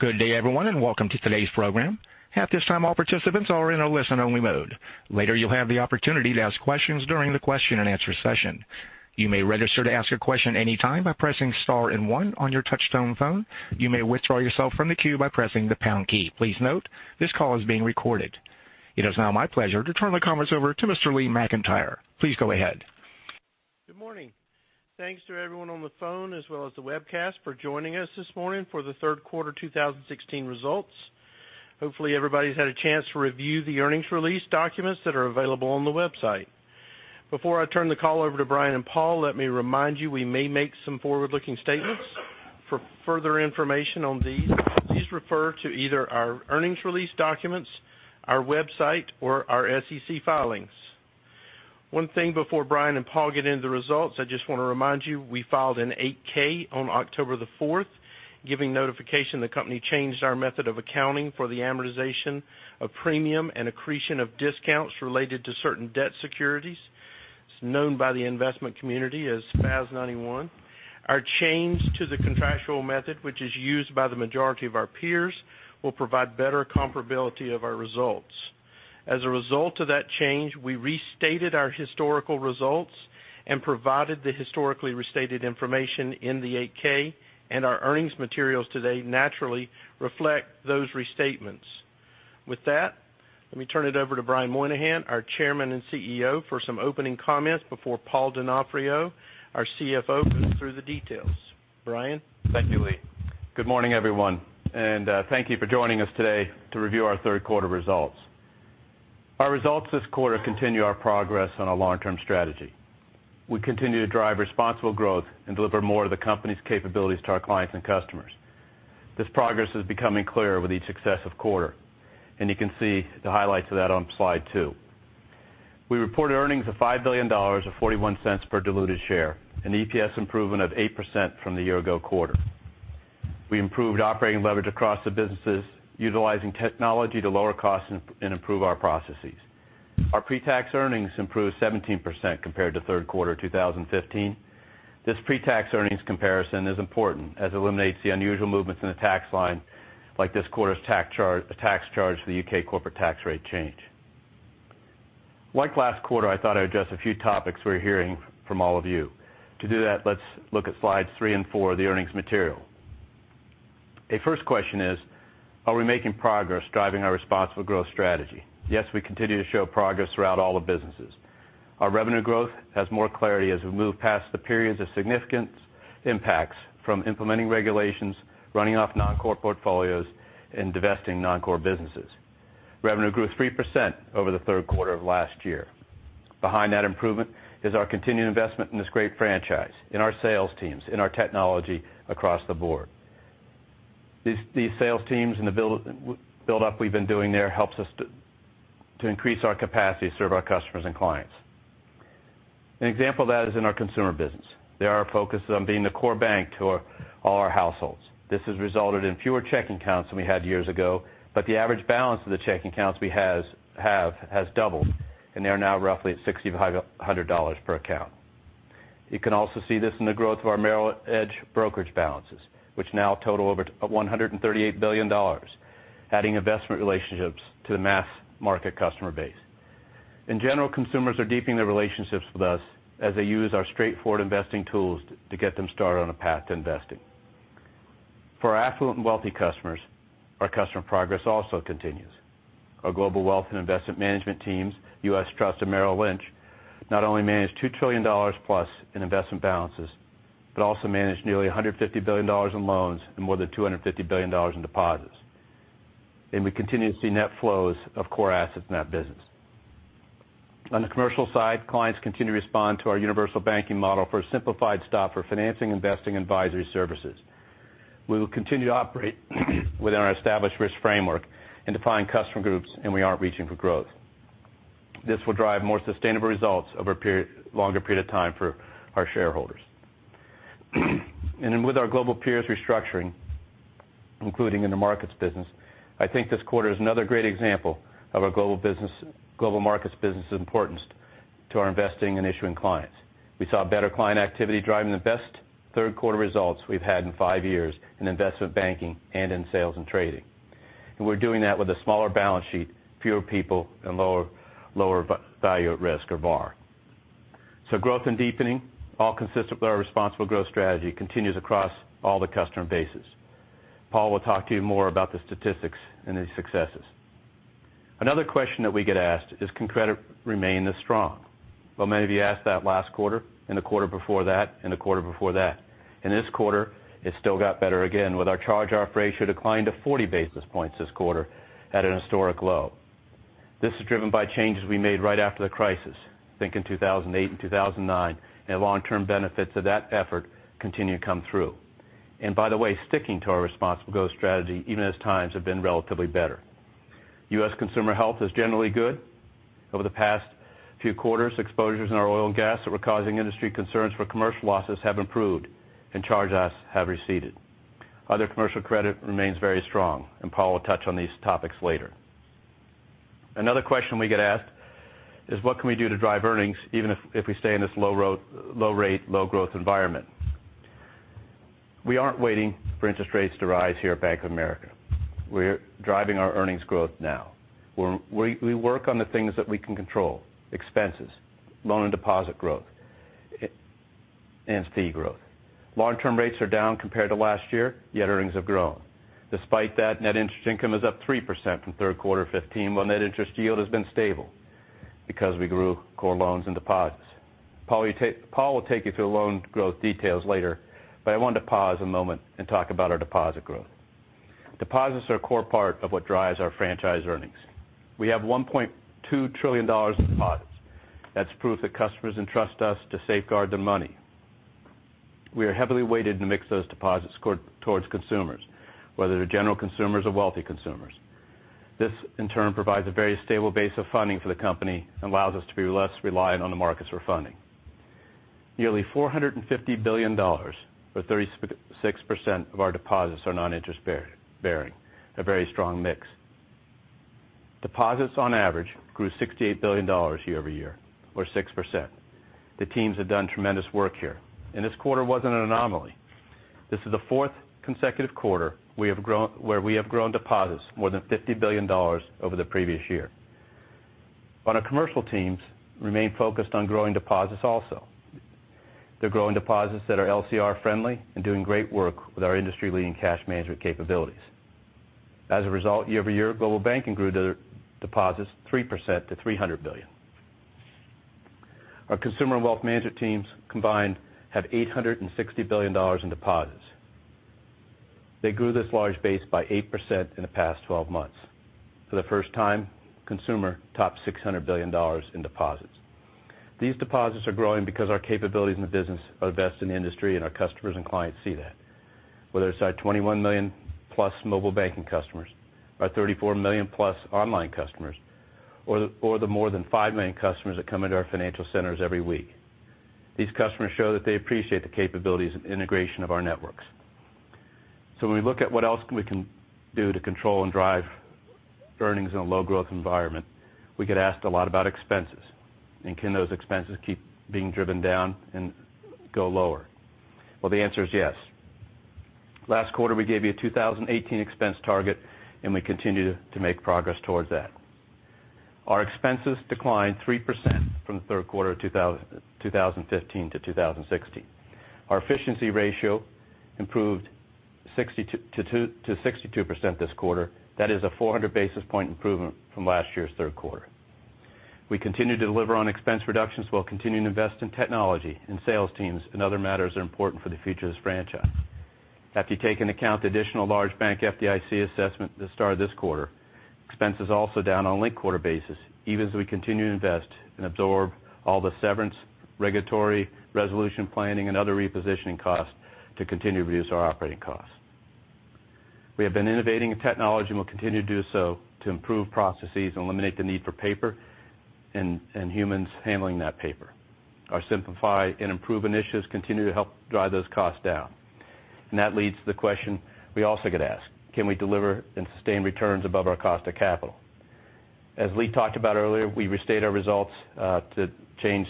Good day, everyone, and welcome to today's program. At this time, all participants are in a listen-only mode. Later, you'll have the opportunity to ask questions during the question-and-answer session. You may register to ask a question anytime by pressing star and one on your touch-tone phone. You may withdraw yourself from the queue by pressing the pound key. Please note, this call is being recorded. It is now my pleasure to turn the conference over to Mr. Lee McEntire. Please go ahead. Good morning. Thanks to everyone on the phone, as well as the webcast, for joining us this morning for the third quarter 2016 results. Hopefully, everybody's had a chance to review the earnings release documents that are available on the website. Before I turn the call over to Brian and Paul, let me remind you, we may make some forward-looking statements. For further information on these, please refer to either our earnings release documents, our website, or our SEC filings. One thing before Brian and Paul get into the results, I just want to remind you, we filed an 8-K on October the 4th, giving notification the company changed our method of accounting for the amortization of premium and accretion of discounts related to certain debt securities. It's known by the investment community as FAS 91. Our change to the contractual method, which is used by the majority of our peers, will provide better comparability of our results. As a result of that change, we restated our historical results and provided the historically restated information in the 8-K. Our earnings materials today naturally reflect those restatements. With that, let me turn it over to Brian Moynihan, our Chairman and CEO, for some opening comments before Paul Donofrio, our CFO, goes through the details. Brian? Thank you, Lee. Good morning, everyone. Thank you for joining us today to review our third quarter results. Our results this quarter continue our progress on a long-term strategy. We continue to drive responsible growth and deliver more of the company's capabilities to our clients and customers. This progress is becoming clearer with each successive quarter. You can see the highlights of that on slide two. We reported earnings of $5 billion, or $0.41 per diluted share, an EPS improvement of 8% from the year-ago quarter. We improved operating leverage across the businesses, utilizing technology to lower costs and improve our processes. Our pre-tax earnings improved 17% compared to third quarter 2015. This pre-tax earnings comparison is important, as it eliminates the unusual movements in the tax line, like this quarter's tax charge for the U.K. corporate tax rate change. Like last quarter, I thought I'd address a few topics we're hearing from all of you. To do that, let's look at slides three and four of the earnings material. A first question is, are we making progress driving our responsible growth strategy? Yes, we continue to show progress throughout all the businesses. Our revenue growth has more clarity as we move past the periods of significant impacts from implementing regulations, running off non-core portfolios, and divesting non-core businesses. Revenue grew 3% over the third quarter of last year. Behind that improvement is our continued investment in this great franchise, in our sales teams, in our technology across the board. These sales teams and the buildup we've been doing there helps us to increase our capacity to serve our customers and clients. An example of that is in our consumer business. They are focused on being the core bank to all our households. This has resulted in fewer checking accounts than we had years ago, but the average balance of the checking accounts we have has doubled, and they are now roughly at $6,500 per account. You can also see this in the growth of our Merrill Edge brokerage balances, which now total over $138 billion, adding investment relationships to the mass-market customer base. In general, consumers are deepening their relationships with us as they use our straightforward investing tools to get them started on a path to investing. For our affluent and wealthy customers, our customer progress also continues. Our Global Wealth and Investment Management teams, U.S. Trust and Merrill Lynch, not only manage $2 trillion plus in investment balances, but also manage nearly $150 billion in loans and more than $250 billion in deposits. We continue to see net flows of core assets in that business. On the commercial side, clients continue to respond to our universal banking model for a simplified stop for financing, investing, advisory services. We will continue to operate within our established risk framework and define customer groups, and we are reaching for growth. This will drive more sustainable results over a longer period of time for our shareholders. With our global peers restructuring, including in the markets business, I think this quarter is another great example of our Global Markets business importance to our investing and issuing clients. We saw better client activity driving the best third-quarter results we've had in five years in investment banking and in sales and trading. We're doing that with a smaller balance sheet, fewer people, and lower value at risk, or VaR. Growth and deepening, all consistent with our responsible growth strategy, continues across all the customer bases. Paul will talk to you more about the statistics and the successes. Another question that we get asked is, can credit remain this strong? Well, many of you asked that last quarter, and the quarter before that, and the quarter before that. In this quarter, it still got better again, with our charge-off ratio declined to 40 basis points this quarter at an historic low. This is driven by changes we made right after the crisis, think in 2008 and 2009, and the long-term benefits of that effort continue to come through. By the way, sticking to our responsible growth strategy, even as times have been relatively better. U.S. consumer health is generally good. Over the past few quarters, exposures in our oil and gas that were causing industry concerns for commercial losses have improved and charge-offs have receded. Other commercial credit remains very strong, Paul will touch on these topics later. Another question we get asked is, what can we do to drive earnings even if we stay in this low rate, low growth environment? We aren't waiting for interest rates to rise here at Bank of America. We're driving our earnings growth now. We work on the things that we can control, expenses, loan, and deposit growth, and fee growth. Long-term rates are down compared to last year, yet earnings have grown. Despite that, net interest income is up 3% from third quarter 2015, while net interest yield has been stable because we grew core loans and deposits. Paul will take you through the loan growth details later, I wanted to pause a moment and talk about our deposit growth. Deposits are a core part of what drives our franchise earnings. We have $1.2 trillion in deposits. That's proof that customers entrust us to safeguard their money. We are heavily weighted in the mix of those deposits towards consumers, whether they're general consumers or wealthy consumers. This, in turn, provides a very stable base of funding for the company and allows us to be less reliant on the markets for funding. Nearly $450 billion or 36% of our deposits are non-interest bearing. A very strong mix. Deposits on average grew $68 billion year-over-year or 6%. The teams have done tremendous work here, and this quarter wasn't an anomaly. This is the fourth consecutive quarter where we have grown deposits more than $50 billion over the previous year. Our commercial teams remain focused on growing deposits also. They're growing deposits that are LCR-friendly and doing great work with our industry-leading cash management capabilities. As a result, year-over-year, Global Banking grew deposits 3% to $300 billion. Our consumer and wealth management teams combined have $860 billion in deposits. They grew this large base by 8% in the past 12 months. For the first time, Consumer topped $600 billion in deposits. These deposits are growing because our capabilities in the business are the best in the industry, and our customers and clients see that. Whether it's our 21 million-plus mobile banking customers, our 34 million-plus online customers, or the more than 5 million customers that come into our financial centers every week. These customers show that they appreciate the capabilities and integration of our networks. When we look at what else we can do to control and drive earnings in a low-growth environment, we get asked a lot about expenses and can those expenses keep being driven down and go lower? Well, the answer is yes. Last quarter, we gave you a 2018 expense target, and we continue to make progress towards that. Our expenses declined 3% from the third quarter of 2015 to 2016. Our efficiency ratio improved to 62% this quarter. That is a 400 basis point improvement from last year's third quarter. We continue to deliver on expense reductions while continuing to invest in technology and sales teams and other matters that are important for the future of this franchise. After you take into account the additional large bank FDIC assessment at the start of this quarter, expenses also down on a linked-quarter basis, even as we continue to invest and absorb all the severance, regulatory, resolution planning, and other repositioning costs to continue to reduce our operating costs. We have been innovating in technology and will continue to do so to improve processes and eliminate the need for paper and humans handling that paper. Our simplify and improve initiatives continue to help drive those costs down. That leads to the question we also get asked, can we deliver and sustain returns above our cost of capital? As Lee talked about earlier, we restated our results to change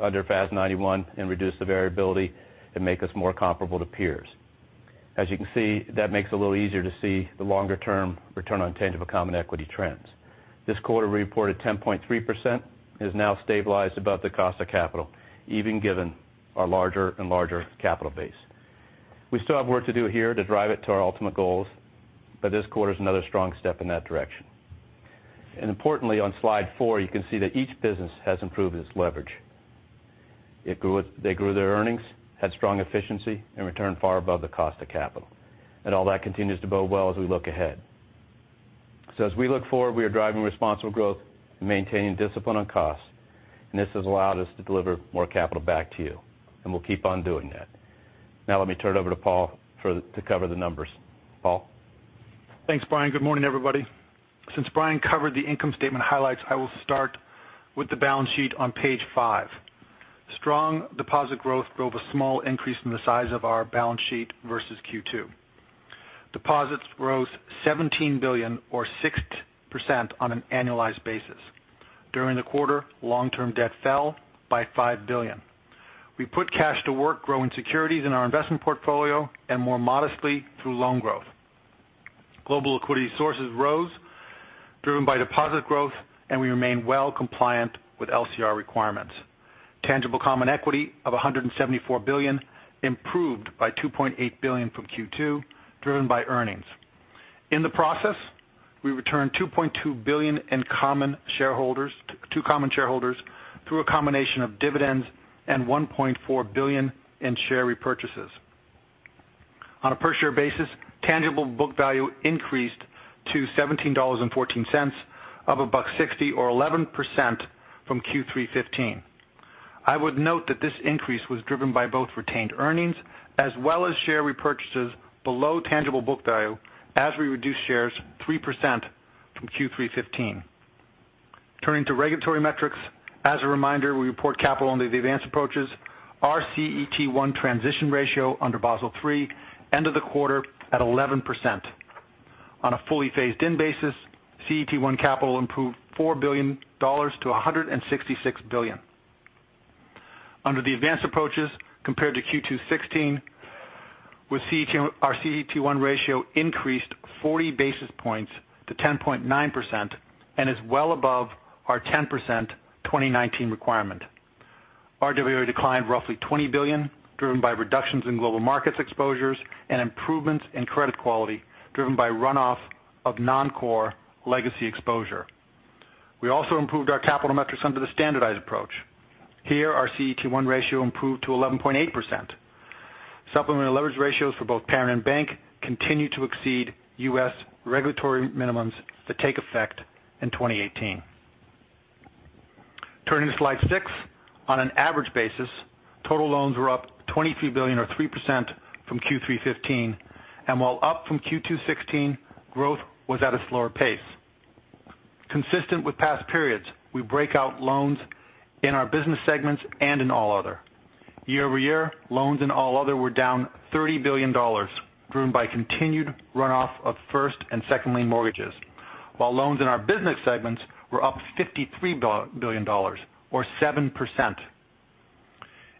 under FAS 91 and reduce the variability and make us more comparable to peers. As you can see, that makes it a little easier to see the longer-term return on tangible common equity trends. This quarter, we reported 10.3% is now stabilized above the cost of capital, even given our larger and larger capital base. We still have work to do here to drive it to our ultimate goals, but this quarter's another strong step in that direction. Importantly, on slide four, you can see that each business has improved its leverage. They grew their earnings, had strong efficiency, and returned far above the cost of capital. All that continues to bode well as we look ahead. As we look forward, we are driving responsible growth and maintaining discipline on costs, and this has allowed us to deliver more capital back to you, and we'll keep on doing that. Now let me turn it over to Paul to cover the numbers. Paul? Thanks, Brian. Good morning, everybody. Since Brian covered the income statement highlights, I will start with the balance sheet on page five. Strong deposit growth drove a small increase in the size of our balance sheet versus Q2. Deposits rose $17 billion or 6% on an annualized basis. During the quarter, long-term debt fell by $5 billion. We put cash to work growing securities in our investment portfolio and more modestly through loan growth. Global liquidity sources rose driven by deposit growth, and we remain well compliant with LCR requirements. Tangible common equity of $174 billion improved by $2.8 billion from Q2, driven by earnings. In the process, we returned $2.2 billion in two common shareholders through a combination of dividends and $1.4 billion in share repurchases. On a per-share basis, tangible book value increased to $17.14, up $1.60 or 11% from Q3 2015. I would note that this increase was driven by both retained earnings as well as share repurchases below tangible book value as we reduced shares 3% from Q3 2015. Turning to regulatory metrics. As a reminder, we report capital under the advanced approaches. Our CET1 transition ratio under Basel III end of the quarter at 11%. On a fully phased-in basis, CET1 capital improved $4 billion to $166 billion. Under the advanced approaches compared to Q2 2016, our CET1 ratio increased 40 basis points to 10.9% and is well above our 10% 2019 requirement. RWA declined roughly $20 billion, driven by reductions in Global Markets exposures and improvements in credit quality, driven by runoff of non-core legacy exposure. We also improved our capital metrics under the standardized approach. Here, our CET1 ratio improved to 11.8%. Supplementary leverage ratios for both parent and bank continue to exceed U.S. regulatory minimums that take effect in 2018. Turning to slide six. On an average basis, total loans were up $23 billion or 3% from Q3 2015, and while up from Q2 2016, growth was at a slower pace. Consistent with past periods, we break out loans in our business segments and in all other. Year-over-year, loans and all other were down $30 billion, driven by continued runoff of first and second lien mortgages. While loans in our business segments were up $53 billion or 7%.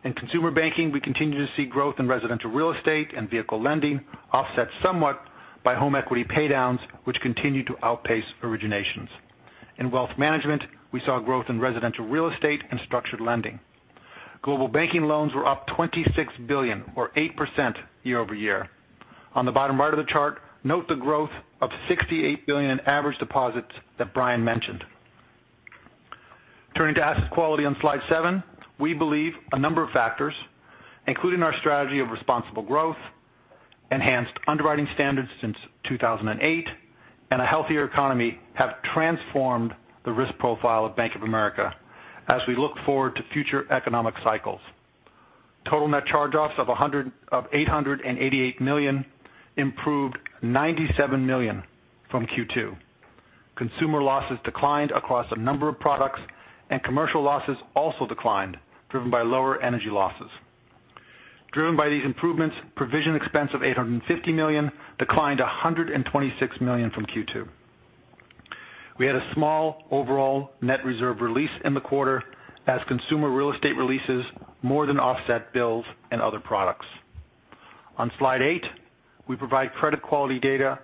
In Consumer Banking, we continue to see growth in residential real estate and vehicle lending offset somewhat by home equity paydowns, which continue to outpace originations. In Wealth Management, we saw growth in residential real estate and structured lending. Global Banking loans were up $26 billion or 8% year-over-year. On the bottom right of the chart, note the growth of $68 billion in average deposits that Brian Moynihan mentioned. Turning to asset quality on slide seven. We believe a number of factors, including our strategy of responsible growth, enhanced underwriting standards since 2008, and a healthier economy, have transformed the risk profile of Bank of America as we look forward to future economic cycles. Total net charge-offs of $888 million improved $97 million from Q2. Consumer losses declined across a number of products, and commercial losses also declined, driven by lower energy losses. Driven by these improvements, provision expense of $850 million declined $126 million from Q2. We had a small overall net reserve release in the quarter as consumer real estate releases more than offset bills and other products. On slide eight, we provide credit quality data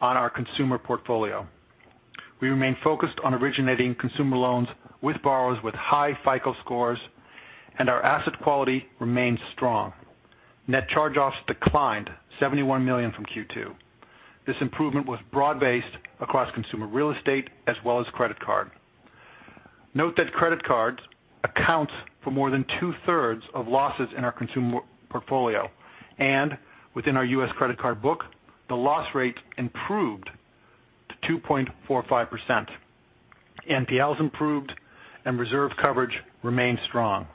on our consumer portfolio. We remain focused on originating consumer loans with borrowers with high FICO scores, and our asset quality remains strong. Net charge-offs declined $71 million from Q2. This improvement was broad-based across consumer real estate as well as credit card. Note that credit cards account for more than two-thirds of losses in our consumer portfolio, and within our U.S. credit card book, the loss rate improved to 2.45%. NPLs improved and reserve coverage remained strong.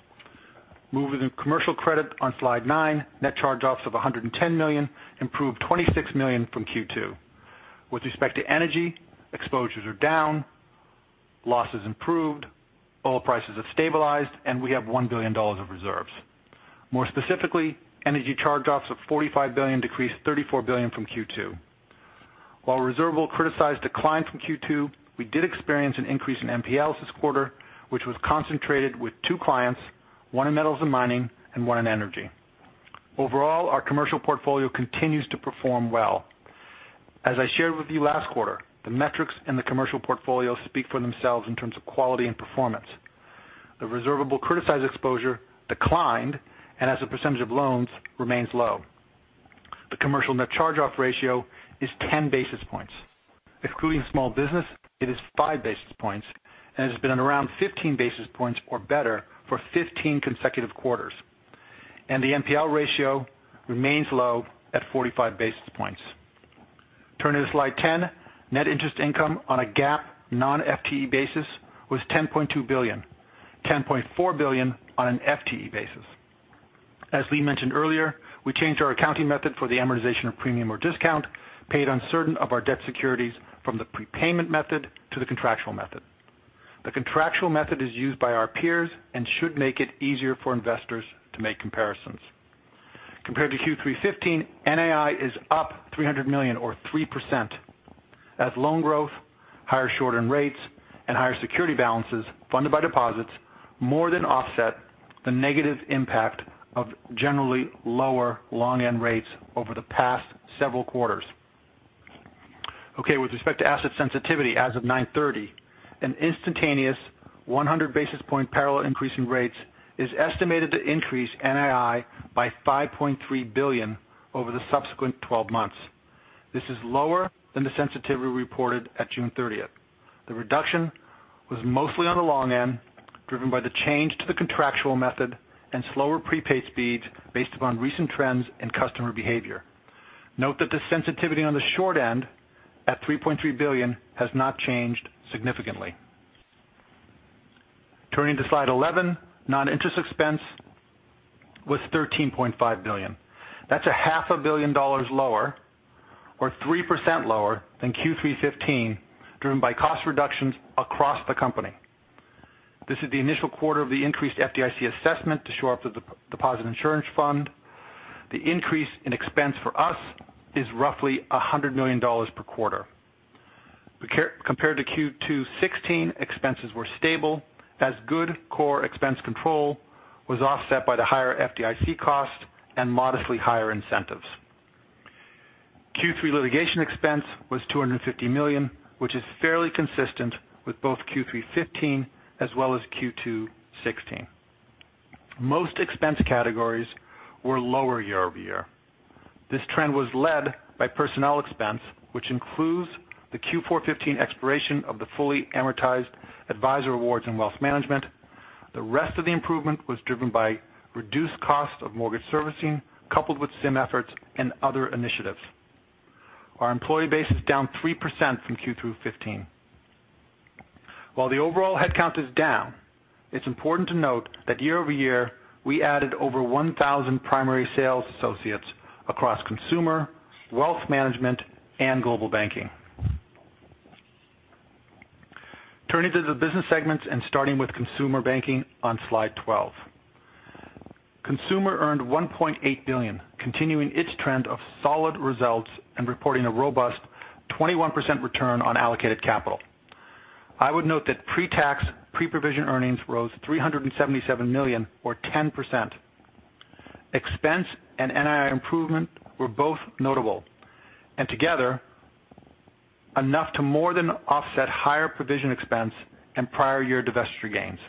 Moving to commercial credit on slide nine. Net charge-offs of $110 million improved $26 million from Q2. With respect to energy, exposures are down, losses improved, oil prices have stabilized, and we have $1 billion of reserves. More specifically, energy charge-offs of $45 million decreased $34 billion from Q2. While reservable criticized declined from Q2, we did experience an increase in NPLs this quarter, which was concentrated with two clients, one in metals and mining and one in energy. Overall, our commercial portfolio continues to perform well. As I shared with you last quarter, the metrics in the commercial portfolio speak for themselves in terms of quality and performance. The reservable criticized exposure declined, and as a percentage of loans, remains low. The commercial net charge-off ratio is ten basis points. Excluding small business, it is five basis points, and it has been around 15 basis points or better for 15 consecutive quarters. The NPL ratio remains low at 45 basis points. Turning to slide 10. Net Interest Income on a GAAP non-FTE basis was $10.2 billion, $10.4 billion on an FTE basis. As Lee mentioned earlier, we changed our accounting method for the amortization of premium or discount paid on certain of our debt securities from the prepayment method to the contractual method. The contractual method is used by our peers and should make it easier for investors to make comparisons. Compared to Q3 '15, NII is up $300 million or 3% as loan growth, higher short-term rates, and higher security balances funded by deposits more than offset the negative impact of generally lower long-end rates over the past several quarters. With respect to asset sensitivity as of 9/30, an instantaneous 100-basis-point parallel increase in rates is estimated to increase NII by $5.3 billion over the subsequent 12 months. This is lower than the sensitivity reported at June 30th. The reduction was mostly on the long end, driven by the change to the contractual method and slower prepaid speeds based upon recent trends in customer behavior. Note that the sensitivity on the short end at $3.3 billion has not changed significantly. Turning to Slide 11, non-interest expense was $13.5 billion. That's a half a billion dollars lower or 3% lower than Q3 '15, driven by cost reductions across the company. This is the initial quarter of the increased FDIC assessment to shore up the Deposit Insurance Fund. The increase in expense for us is roughly $100 million per quarter. Compared to Q2 '16, expenses were stable as good core expense control was offset by the higher FDIC cost and modestly higher incentives. Q3 litigation expense was $250 million, which is fairly consistent with both Q3 '15 as well as Q2 '16. Most expense categories were lower year-over-year. This trend was led by personnel expense, which includes the Q4 '15 expiration of the fully amortized advisory awards in wealth management. The rest of the improvement was driven by reduced cost of mortgage servicing, coupled with SIM efforts and other initiatives. Our employee base is down 3% from Q3 '15. While the overall headcount is down, it's important to note that year-over-year, we added over 1,000 primary sales associates across Consumer, wealth management, and Global Banking. Turning to the business segments and starting with Consumer Banking on Slide 12. Consumer earned $1.8 billion, continuing its trend of solid results and reporting a robust 21% return on allocated capital. I would note that pre-tax, pre-provision earnings rose $377 million or 10%. Expense and NII improvement were both notable, and together enough to more than offset higher provision expense and prior year divestiture gains.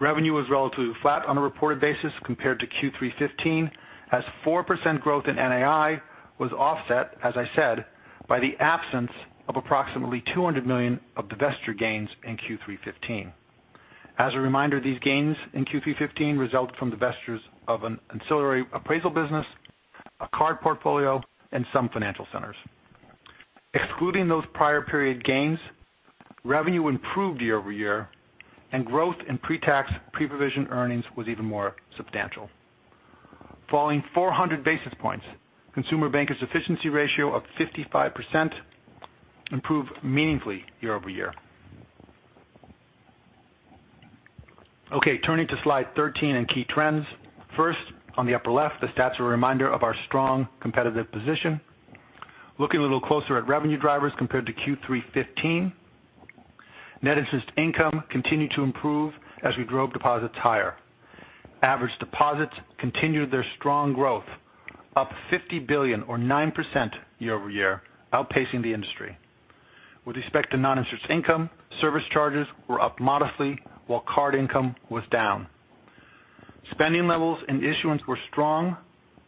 Revenue was relatively flat on a reported basis compared to Q3 '15, as 4% growth in NII was offset, as I said, by the absence of approximately $200 million of divestiture gains in Q3 '15. As a reminder, these gains in Q3 '15 result from divestitures of an ancillary appraisal business, a card portfolio, and some financial centers. Excluding those prior period gains, revenue improved year-over-year, and growth in pre-tax, pre-provision earnings was even more substantial. Falling 400 basis points, Consumer Banking efficiency ratio of 55% improved meaningfully year-over-year. Turning to Slide 13 and key trends. First, on the upper left, the stats are a reminder of our strong competitive position. Looking a little closer at revenue drivers compared to Q3 '15, net interest income continued to improve as we drove deposits higher. Average deposits continued their strong growth, up $50 billion or 9% year-over-year, outpacing the industry. With respect to non-interest income, service charges were up modestly while card income was down. Spending levels and issuance were strong,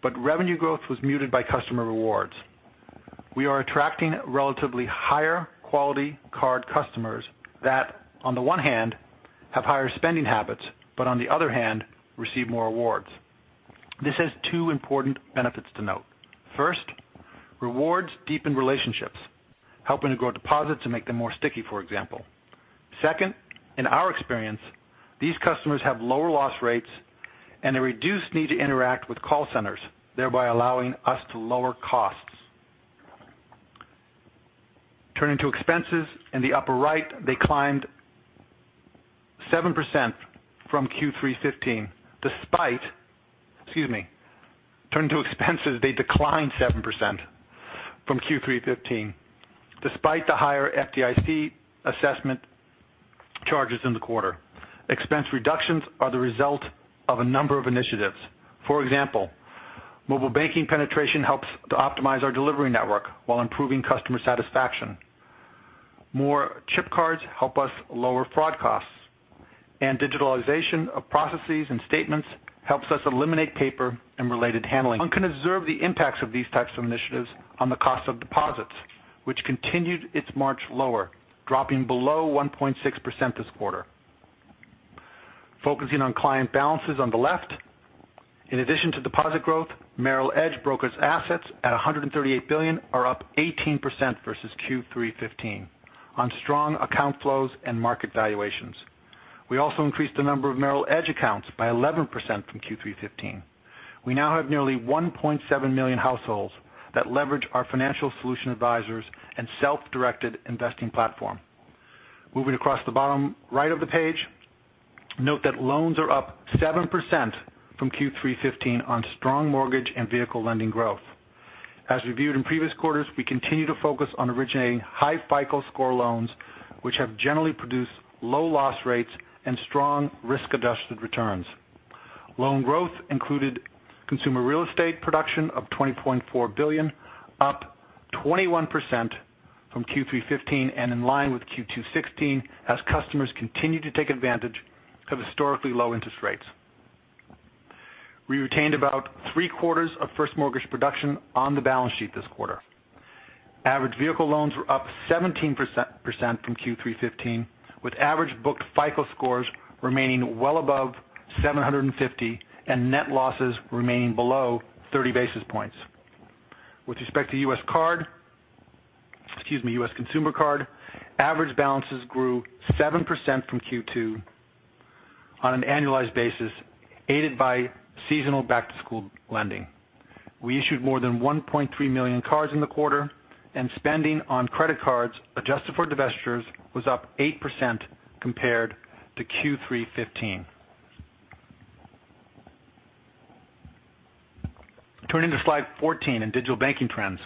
but revenue growth was muted by customer rewards. We are attracting relatively higher quality card customers that, on the one hand, have higher spending habits, but on the other hand, receive more rewards. This has two important benefits to note. First, rewards deepen relationships, helping to grow deposits and make them more sticky, for example. Second, in our experience, these customers have lower loss rates and a reduced need to interact with call centers, thereby allowing us to lower costs. Turning to expenses in the upper right, they climbed 7% from Q3 2015. Excuse me. Turning to expenses, they declined 7% from Q3 2015, despite the higher FDIC assessment charges in the quarter. Expense reductions are the result of a number of initiatives. For example, mobile banking penetration helps to optimize our delivery network while improving customer satisfaction. More chip cards help us lower fraud costs, and digitalization of processes and statements helps us eliminate paper and related handling. One can observe the impacts of these types of initiatives on the cost of deposits, which continued its march lower, dropping below 1.6% this quarter. Focusing on client balances on the left. In addition to deposit growth, Merrill Edge brokerage assets at $138 billion are up 18% versus Q3 2015 on strong account flows and market valuations. We also increased the number of Merrill Edge accounts by 11% from Q3 2015. We now have nearly 1.7 million households that leverage our financial solution advisors and self-directed investing platform. Moving across the bottom right of the page, note that loans are up 7% from Q3 2015 on strong mortgage and vehicle lending growth. As reviewed in previous quarters, we continue to focus on originating high FICO score loans, which have generally produced low loss rates and strong risk-adjusted returns. Loan growth included consumer real estate production of $20.4 billion, up 21% from Q3 2015 and in line with Q2 2016 as customers continued to take advantage of historically low interest rates. We retained about three-quarters of first mortgage production on the balance sheet this quarter. Average vehicle loans were up 17% from Q3 2015, with average booked FICO scores remaining well above 750 and net losses remaining below 30 basis points. Excuse me, U.S. Consumer Card. Average balances grew 7% from Q2 on an annualized basis, aided by seasonal back-to-school lending. We issued more than 1.3 million cards in the quarter, and spending on credit cards, adjusted for divestitures, was up 8% compared to Q3 2015. Turning to Slide 14 in digital banking trends.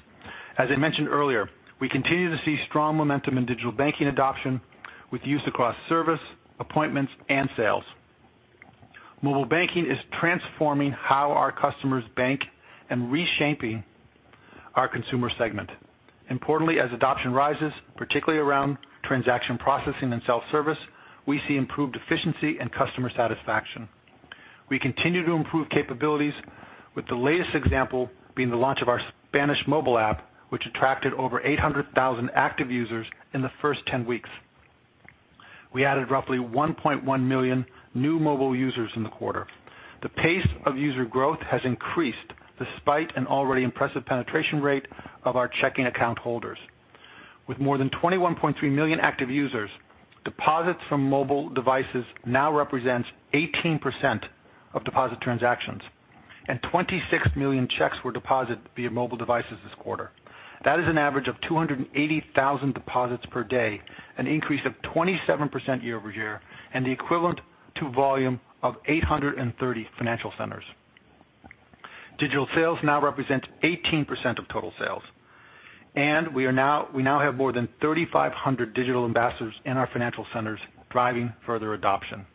As I mentioned earlier, we continue to see strong momentum in digital banking adoption with use across service, appointments, and sales. Mobile banking is transforming how our customers bank and reshaping our consumer segment. Importantly, as adoption rises, particularly around transaction processing and self-service, we see improved efficiency and customer satisfaction. We continue to improve capabilities with the latest example being the launch of our Spanish mobile app, which attracted over 800,000 active users in the first 10 weeks. We added roughly 1.1 million new mobile users in the quarter. The pace of user growth has increased despite an already impressive penetration rate of our checking account holders. With more than 21.3 million active users, deposits from mobile devices now represents 18% of deposit transactions, and 26 million checks were deposited via mobile devices this quarter. That is an average of 280,000 deposits per day, an increase of 27% year-over-year, and the equivalent to volume of 830 financial centers. Digital sales now represent 18% of total sales. We now have more than 3,500 digital ambassadors in our financial centers driving further adoption.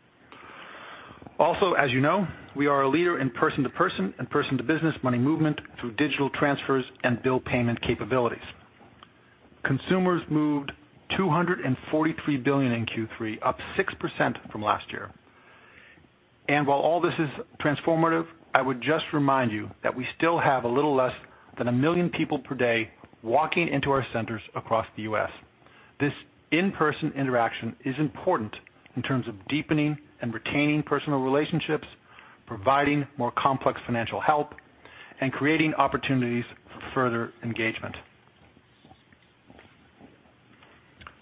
As you know, we are a leader in person-to-person and person-to-business money movement through digital transfers and bill payment capabilities. Consumers moved $243 billion in Q3, up 6% from last year. While all this is transformative, I would just remind you that we still have a little less than one million people per day walking into our centers across the U.S. This in-person interaction is important in terms of deepening and retaining personal relationships, providing more complex financial help, and creating opportunities for further engagement.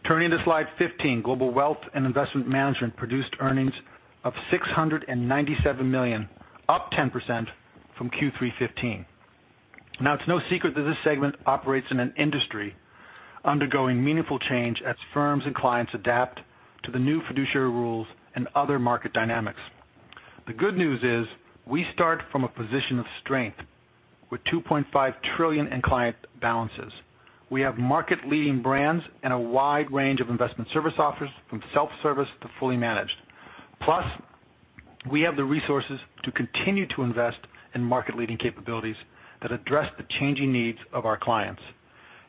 Turning to Slide 15, Global Wealth and Investment Management produced earnings of $697 million, up 10% from Q3 2015. Now, it's no secret that this segment operates in an industry undergoing meaningful change as firms and clients adapt to the new fiduciary rules and other market dynamics. The good news is we start from a position of strength with $2.5 trillion in client balances. We have market-leading brands and a wide range of investment service offers from self-service to fully managed. Plus, we have the resources to continue to invest in market-leading capabilities that address the changing needs of our clients.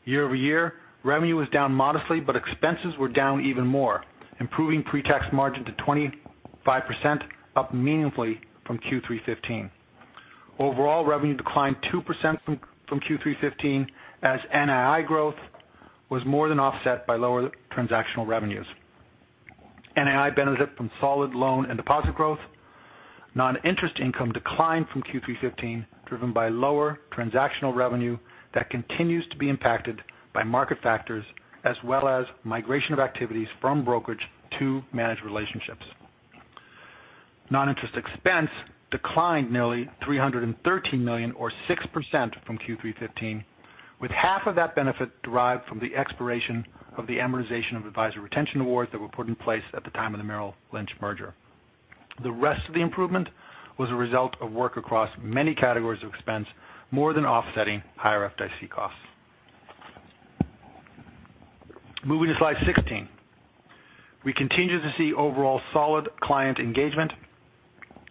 Year-over-year, revenue was down modestly, but expenses were down even more, improving pre-tax margin to 25% up meaningfully from Q3 2015. Overall revenue declined 2% from Q3 2015 as NII growth was more than offset by lower transactional revenues. NII benefit from solid loan and deposit growth. Non-interest income declined from Q3 2015, driven by lower transactional revenue that continues to be impacted by market factors as well as migration of activities from brokerage to managed relationships. Non-interest expense declined nearly $313 million or 6% from Q3 2015, with half of that benefit derived from the expiration of the amortization of advisory retention awards that were put in place at the time of the Merrill Lynch merger. The rest of the improvement was a result of work across many categories of expense, more than offsetting higher FDIC costs. Moving to Slide 16. We continue to see overall solid client engagement.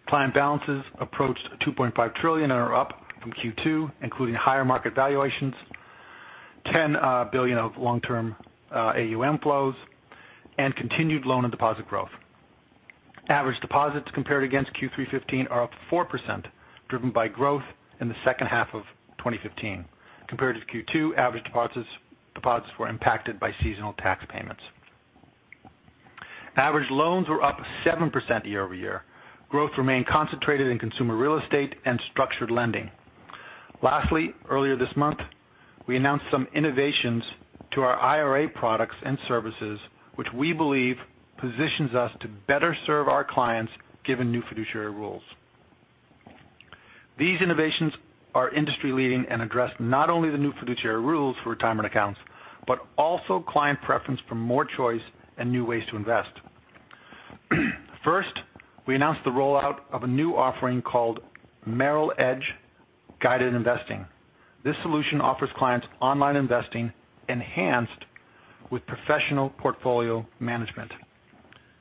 Client balances approached $2.5 trillion and are up from Q2, including higher market valuations, $10 billion of long-term AUM flows, and continued loan and deposit growth. Average deposits compared against Q3 2015 are up 4%, driven by growth in the second half of 2015. Compared with Q2, average deposits were impacted by seasonal tax payments. Average loans were up 7% year-over-year. Growth remained concentrated in consumer real estate and structured lending. Lastly, earlier this month, we announced some innovations to our IRA products and services, which we believe positions us to better serve our clients given new fiduciary rules. These innovations are industry-leading and address not only the new fiduciary rules for retirement accounts, but also client preference for more choice and new ways to invest. First, we announced the rollout of a new offering called Merrill Edge Guided Investing. This solution offers clients online investing enhanced with professional portfolio management.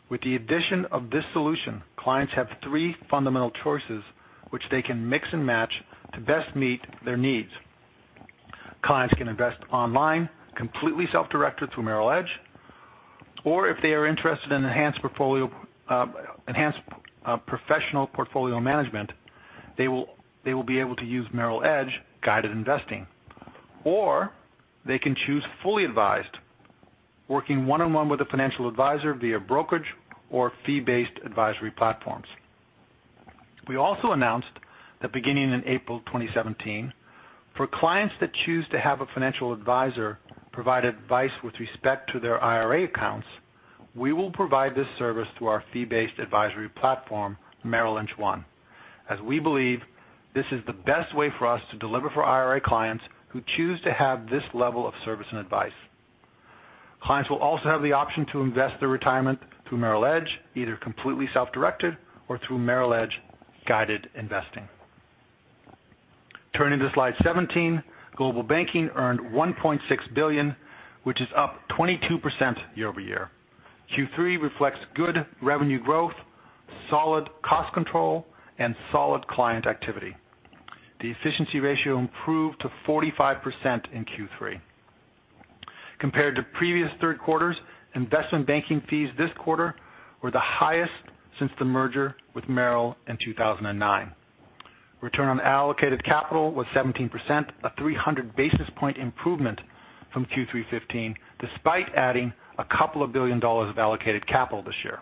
With the addition of this solution, clients have three fundamental choices which they can mix and match to best meet their needs. Clients can invest online, completely self-directed through Merrill Edge, or if they are interested in enhanced professional portfolio management, they will be able to use Merrill Edge Guided Investing. They can choose fully advised, working one-on-one with a financial advisor via brokerage or fee-based advisory platforms. We also announced that beginning in April 2017, for clients that choose to have a financial advisor provide advice with respect to their IRA accounts, we will provide this service through our fee-based advisory platform, Merrill Lynch One, as we believe this is the best way for us to deliver for IRA clients who choose to have this level of service and advice. Clients will also have the option to invest their retirement through Merrill Edge, either completely self-directed or through Merrill Edge Guided Investing. Turning to slide 17, Global Banking earned $1.6 billion, which is up 22% year-over-year. Q3 reflects good revenue growth, solid cost control, and solid client activity. The efficiency ratio improved to 45% in Q3. Compared to previous third quarters, investment banking fees this quarter were the highest since the merger with Merrill in 2009. Return on allocated capital was 17%, a 300-basis-point improvement from Q3 '15, despite adding a couple of billion dollars of allocated capital this year.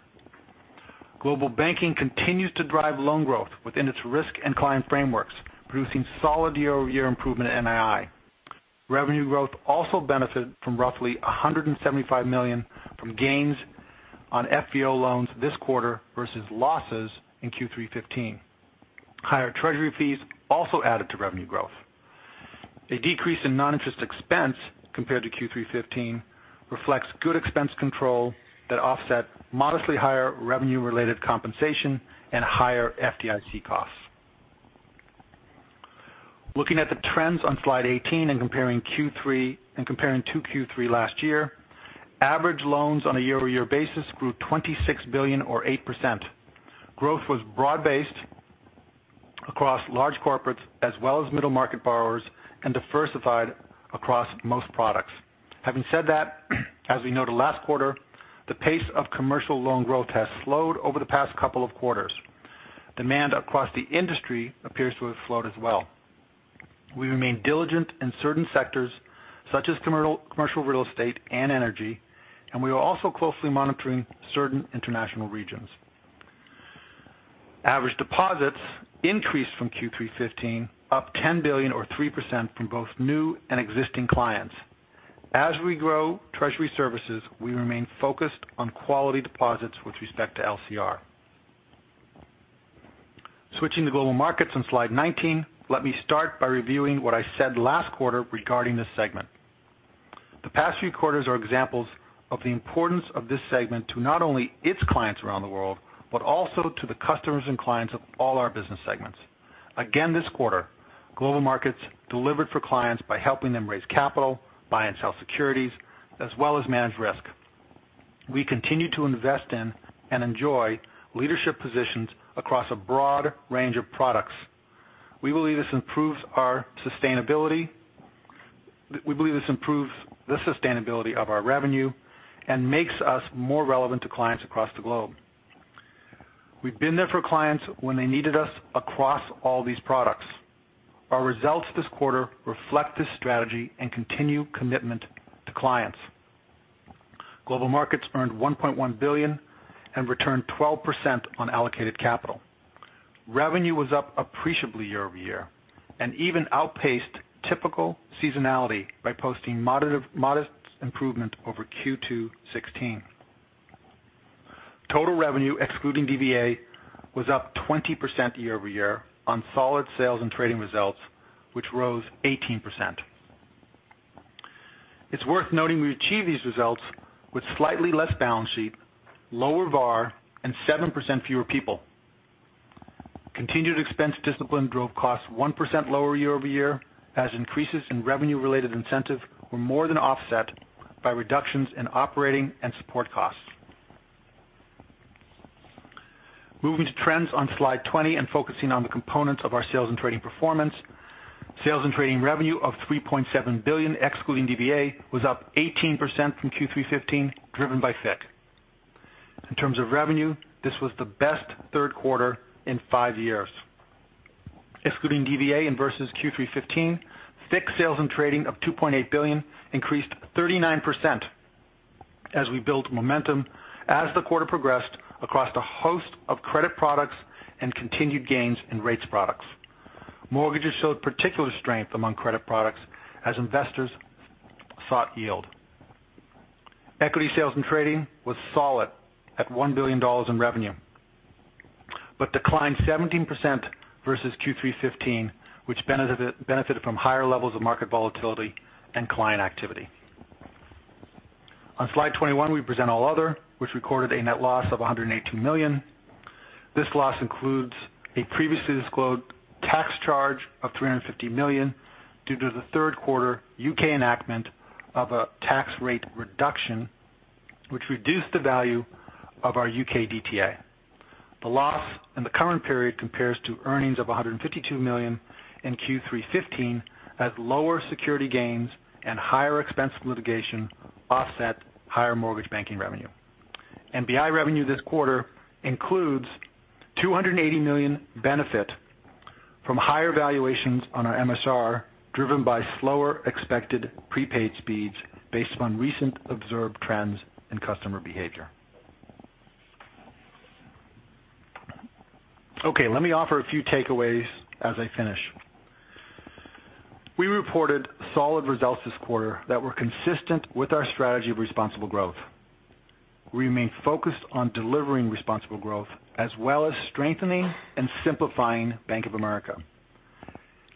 Global Banking continues to drive loan growth within its risk and client frameworks, producing solid year-over-year improvement in NII. Revenue growth also benefited from roughly $175 million from gains on FVO loans this quarter versus losses in Q3 '15. Higher treasury fees also added to revenue growth. A decrease in non-interest expense compared to Q3 '15 reflects good expense control that offset modestly higher revenue-related compensation and higher FDIC costs. Looking at the trends on slide 18 and comparing to Q3 last year, average loans on a year-over-year basis grew $26 billion or 8%. Growth was broad-based across large corporates as well as middle-market borrowers and diversified across most products. Having said that, as we noted last quarter, the pace of commercial loan growth has slowed over the past couple of quarters. Demand across the industry appears to have slowed as well. We remain diligent in certain sectors such as commercial real estate and energy, and we are also closely monitoring certain international regions. Average deposits increased from Q3 '15, up $10 billion or 3% from both new and existing clients. As we grow treasury services, we remain focused on quality deposits with respect to LCR. Switching to Global Markets on slide 19, let me start by reviewing what I said last quarter regarding this segment. The past few quarters are examples of the importance of this segment to not only its clients around the world, but also to the customers and clients of all our business segments. Again this quarter, Global Markets delivered for clients by helping them raise capital, buy and sell securities, as well as manage risk. We continue to invest in and enjoy leadership positions across a broad range of products. We believe this improves the sustainability of our revenue and makes us more relevant to clients across the globe. We've been there for clients when they needed us across all these products. Our results this quarter reflect this strategy and continued commitment to clients. Global Markets earned $1.1 billion and returned 12% on allocated capital. Revenue was up appreciably year-over-year and even outpaced typical seasonality by posting modest improvement over Q2 2016. Total revenue, excluding DVA, was up 20% year-over-year on solid sales and trading results, which rose 18%. It's worth noting we achieved these results with slightly less balance sheet, lower VaR, and 7% fewer people. Continued expense discipline drove costs 1% lower year-over-year, as increases in revenue-related incentive were more than offset by reductions in operating and support costs. Moving to trends on slide 20 and focusing on the components of our sales and trading performance. Sales and trading revenue of $3.7 billion, excluding DVA, was up 18% from Q3 2015, driven by FICC. In terms of revenue, this was the best third quarter in five years. Excluding DVA and versus Q3 2015, FICC sales and trading of $2.8 billion increased 39% as we built momentum as the quarter progressed across a host of credit products and continued gains in rates products. Mortgages showed particular strength among credit products as investors sought yield. Equity sales and trading was solid at $1 billion in revenue but declined 17% versus Q3 2015, which benefited from higher levels of market volatility and client activity. On slide 21, we present All Other, which recorded a net loss of $118 million. This loss includes a previously disclosed tax charge of $350 million due to the third quarter U.K. enactment of a tax rate reduction, which reduced the value of our U.K. DTA. The loss in the current period compares to earnings of $152 million in Q3 2015 as lower security gains and higher expense litigation offset higher mortgage banking revenue. NII revenue this quarter includes $280 million benefit from higher valuations on our MSR, driven by slower expected prepaid speeds based on recent observed trends in customer behavior. Okay, let me offer a few takeaways as I finish. We reported solid results this quarter that were consistent with our strategy of responsible growth. We remain focused on delivering responsible growth as well as strengthening and simplifying Bank of America.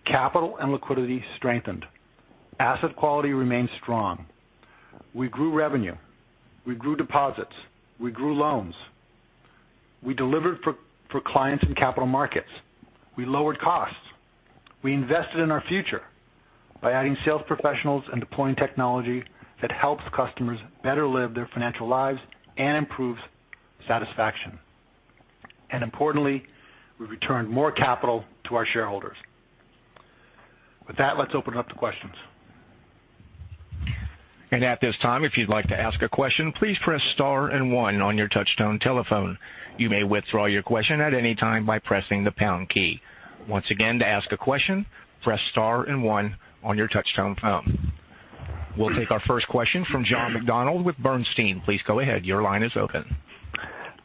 Capital and liquidity strengthened. Asset quality remains strong. We grew revenue, we grew deposits, we grew loans. We delivered for clients in capital markets. We lowered costs. We invested in our future by adding sales professionals and deploying technology that helps customers better live their financial lives and improves satisfaction. Importantly, we returned more capital to our shareholders. With that, let's open up to questions. At this time, if you'd like to ask a question, please press star and one on your touchtone telephone. You may withdraw your question at any time by pressing the pound key. Once again, to ask a question, press star and one on your touchtone phone. We'll take our first question from John McDonald with Bernstein. Please go ahead. Your line is open.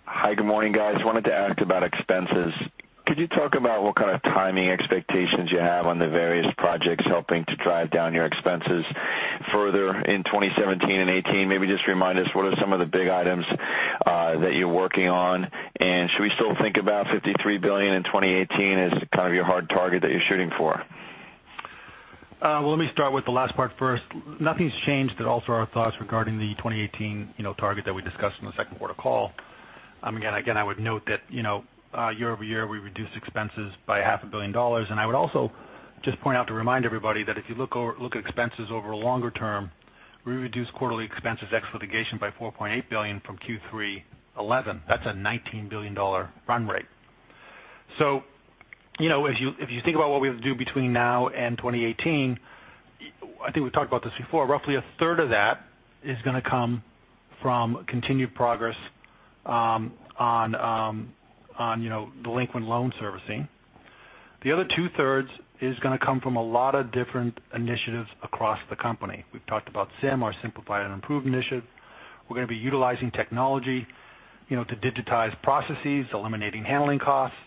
Hi. Good morning, guys. I wanted to ask about expenses. Could you talk about what kind of timing expectations you have on the various projects helping to drive down your expenses further in 2017 and 2018? Maybe just remind us what are some of the big items that you're working on, and should we still think about $53 billion in 2018 as kind of your hard target that you're shooting for? Well, let me start with the last part first. Nothing's changed at all to our thoughts regarding the 2018 target that we discussed in the second quarter call. I would note that year-over-year, we reduced expenses by half a billion dollars. I would also just point out to remind everybody that if you look at expenses over a longer term, we reduced quarterly expenses ex litigation by $4.8 billion from Q3 2011. That's a $19 billion run rate. If you think about what we have to do between now and 2018, I think we've talked about this before, roughly a third of that is going to come from continued progress on delinquent loan servicing. The other two-thirds is going to come from a lot of different initiatives across the company. We've talked about SIM, our Simplify and Improve initiative. We're going to be utilizing technology to digitize processes, eliminating handling costs.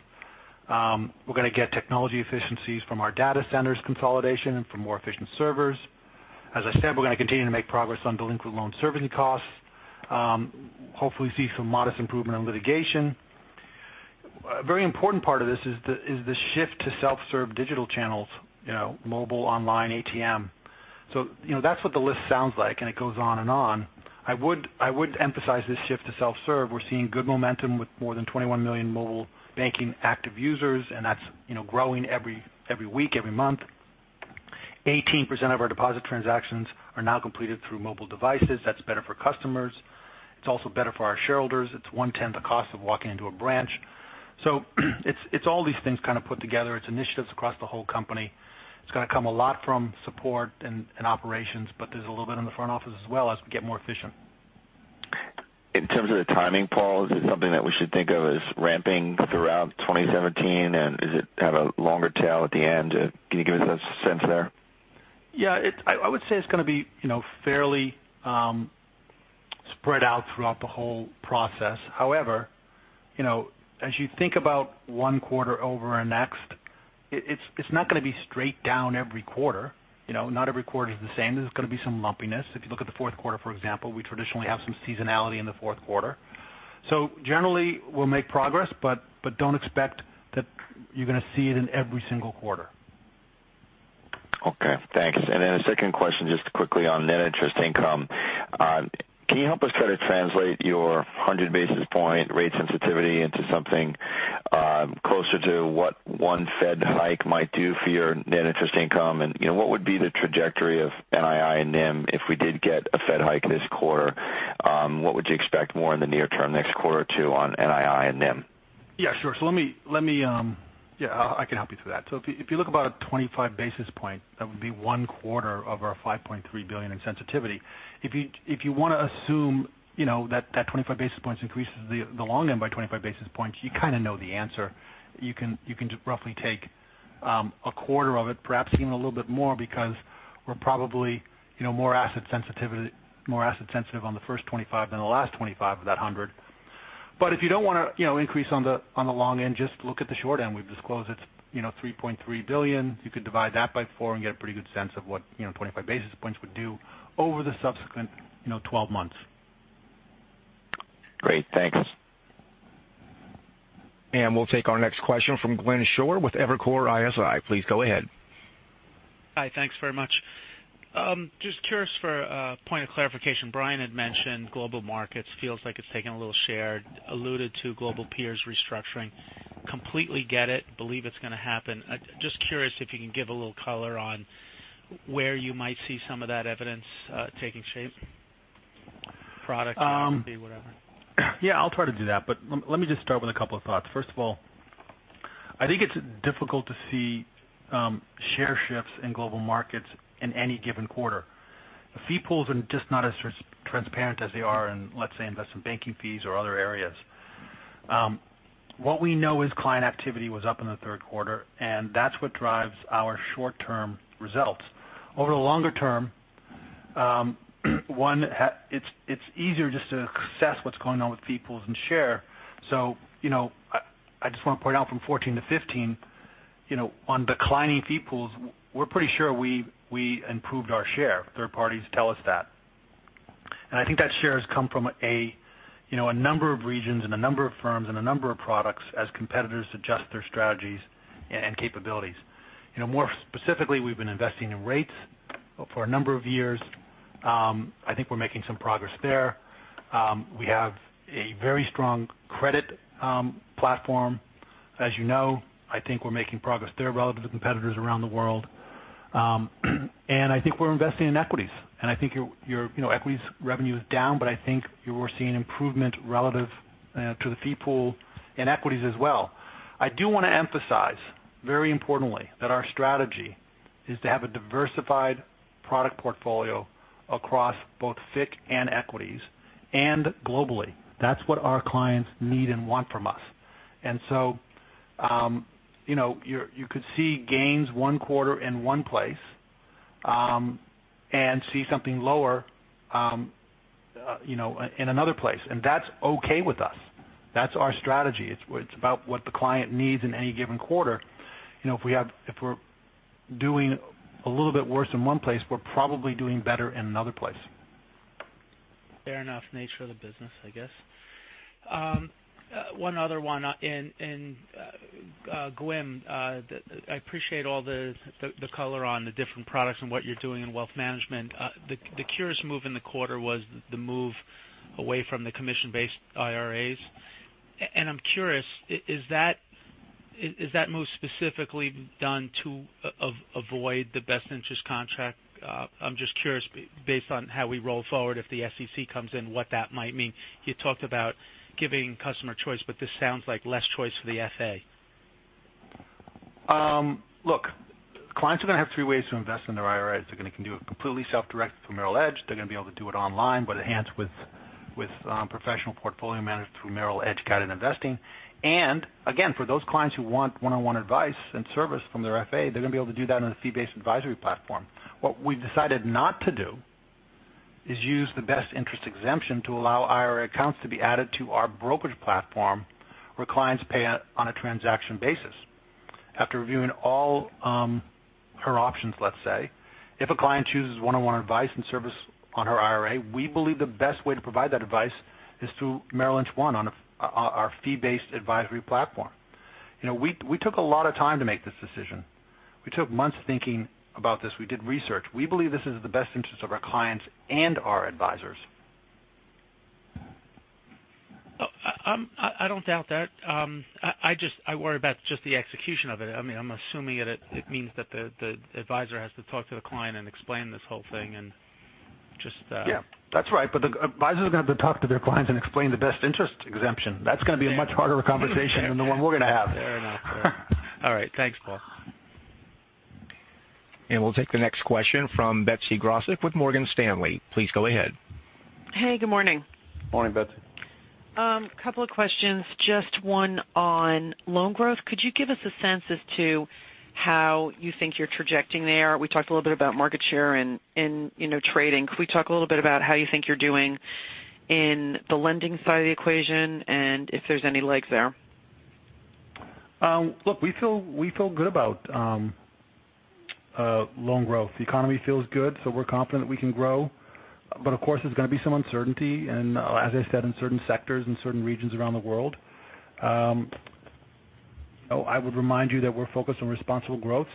We're going to get technology efficiencies from our data centers consolidation and from more efficient servers. As I said, we're going to continue to make progress on delinquent loan servicing costs. Hopefully see some modest improvement on litigation. A very important part of this is the shift to self-serve digital channels, mobile, online, ATM. That's what the list sounds like, and it goes on and on. I would emphasize this shift to self-serve. We're seeing good momentum with more than 21 million mobile banking active users, and that's growing every week, every month. 18% of our deposit transactions are now completed through mobile devices. That's better for customers. It's also better for our shareholders. It's one-tenth the cost of walking into a branch. It's all these things kind of put together. It's initiatives across the whole company. It's going to come a lot from support and operations, but there's a little bit on the front office as well as we get more efficient. In terms of the timing, Paul, is it something that we should think of as ramping throughout 2017? Is it kind of a longer tail at the end? Can you give us a sense there? Yeah. I would say it's going to be fairly spread out throughout the whole process. However, as you think about one quarter over our next, it's not going to be straight down every quarter. Not every quarter is the same. There's going to be some lumpiness. If you look at the fourth quarter, for example, we traditionally have some seasonality in the fourth quarter. Generally, we'll make progress, but don't expect that you're going to see it in every single quarter. Okay. Thanks. A second question, just quickly on net interest income. Can you help us try to translate your 100 basis point rate sensitivity into something closer to what one Fed hike might do for your net interest income? What would be the trajectory of NII and NIM if we did get a Fed hike this quarter? What would you expect more in the near term, next quarter or two, on NII and NIM? Yeah, sure. I can help you through that. If you look about at 25 basis points, that would be a quarter of our $5.3 billion in sensitivity. If you want to assume that 25 basis points increases the long end by 25 basis points, you kind of know the answer. You can just roughly take a quarter of it, perhaps even a little bit more, because we're probably more asset sensitive on the first 25 than the last 25 of that 100. If you don't want to increase on the long end, just look at the short end. We've disclosed it's $3.3 billion. You could divide that by four and get a pretty good sense of what 25 basis points would do over the subsequent 12 months. Great. Thanks. We'll take our next question from Glenn Schorr with Evercore ISI. Please go ahead. Hi. Thanks very much. Just curious for a point of clarification. Brian had mentioned Global Markets feels like it's taken a little share, alluded to global peers restructuring. Completely get it. Believe it's going to happen. Just curious if you can give a little color on where you might see some of that evidence taking shape, product, market, or be whatever. I'll try to do that. Let me just start with a couple of thoughts. First of all, I think it's difficult to see share shifts in global markets in any given quarter. The fee pools are just not as transparent as they are in, let's say, investment banking fees or other areas. What we know is client activity was up in the third quarter, that's what drives our short-term results. Over the longer term, one, it's easier just to assess what's going on with fee pools and share. I just want to point out from 2014 to 2015, on declining fee pools, we're pretty sure we improved our share. Third parties tell us that. I think that share has come from a number of regions and a number of firms and a number of products as competitors adjust their strategies and capabilities. More specifically, we've been investing in rates for a number of years. I think we're making some progress there. We have a very strong credit platform. As you know, I think we're making progress there relative to competitors around the world. I think we're investing in equities. I think your equities revenue is down, but I think you're seeing improvement relative to the fee pool in equities as well. I do want to emphasize, very importantly, that our strategy is to have a diversified product portfolio across both FICC and equities and globally. That's what our clients need and want from us. You could see gains one quarter in one place, and see something lower in another place. That's okay with us. That's our strategy. It's about what the client needs in any given quarter. If we're doing a little bit worse in one place, we're probably doing better in another place. Fair enough. Nature of the business, I guess. One other one. Glenn, I appreciate all the color on the different products and what you're doing in wealth management. The curious move in the quarter was the move away from the commission-based IRAs. I'm curious, is that move specifically done to avoid the Best Interest Contract? I'm just curious, based on how we roll forward, if the SEC comes in, what that might mean. You talked about giving customer choice, but this sounds like less choice for the FA. Look, clients are going to have three ways to invest in their IRAs. They're going to do it completely self-directed through Merrill Edge. They're going to be able to do it online, but enhanced with professional portfolio managed through Merrill Edge Guided Investing. Again, for those clients who want one-on-one advice and service from their FA, they're going to be able to do that on a fee-based advisory platform. What we've decided not to do is use the Best Interest Contract Exemption to allow IRA accounts to be added to our brokerage platform where clients pay on a transaction basis. After reviewing all her options, let's say, if a client chooses one-on-one advice and service on her IRA, we believe the best way to provide that advice is through Merrill Lynch One on our fee-based advisory platform. We took a lot of time to make this decision. We took months thinking about this. We did research. We believe this is in the best interest of our clients and our advisors. I don't doubt that. I worry about just the execution of it. I'm assuming it means that the advisor has to talk to the client and explain this whole thing. Yeah. That's right, the advisors are going to have to talk to their clients and explain the Best Interest Contract Exemption. That's going to be a much harder conversation than the one we're going to have. Fair enough. Fair enough. All right. Thanks, Paul. We'll take the next question from Betsy Graseck with Morgan Stanley. Please go ahead. Hey, good morning. Morning, Betsy. Couple of questions, just one on loan growth. Could you give us a sense as to how you think you're trajecting there? We talked a little bit about market share and trading. Could we talk a little bit about how you think you're doing in the lending side of the equation and if there's any legs there? We feel good about loan growth. The economy feels good, we're confident we can grow. Of course, there's going to be some uncertainty, and as I said, in certain sectors, in certain regions around the world. I would remind you that we're focused on responsible growth,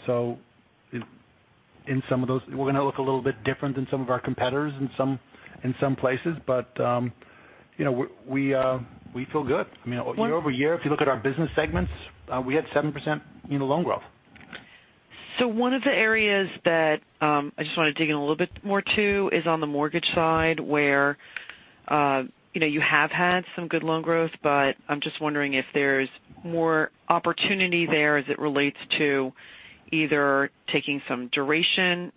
in some of those, we're going to look a little bit different than some of our competitors in some places. We feel good. Year-over-year, if you look at our business segments, we had 7% in loan growth. One of the areas that I just want to dig in a little bit more, too, is on the mortgage side, where you have had some good loan growth, I'm just wondering if there's more opportunity there as it relates to either taking some duration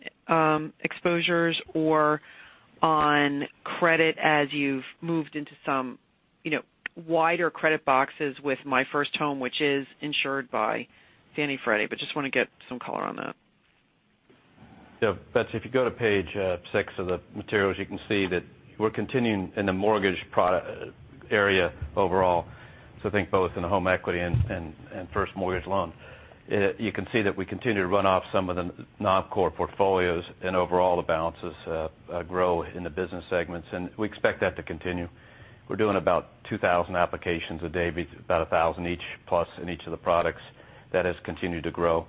exposures or on credit as you've moved into some wider credit boxes with My First Home, which is insured by Fannie/Freddie. Just want to get some color on that. Yeah. Betsy, if you go to page six of the materials, you can see that we're continuing in the mortgage area overall. Think both in the home equity and first mortgage loan. You can see that we continue to run off some of the non-core portfolios and overall the balances grow in the business segments, we expect that to continue. We're doing about 2,000 applications a day, about 1,000 each plus in each of the products. That has continued to grow.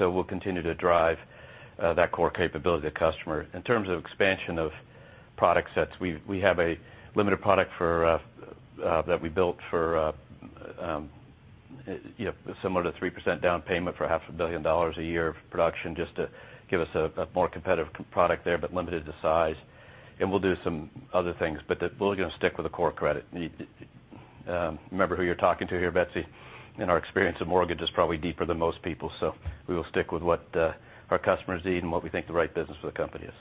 We'll continue to drive that core capability to customer. In terms of expansion of product sets, we have a limited product that we built for similar to 3% down payment for half a billion dollars a year of production just to give us a more competitive product there, limited to size. We'll do some other things. We're going to stick with the core credit. Remember who you're talking to here, Betsy, and our experience in mortgage is probably deeper than most people, so we will stick with what our customers need and what we think the right business for the company is.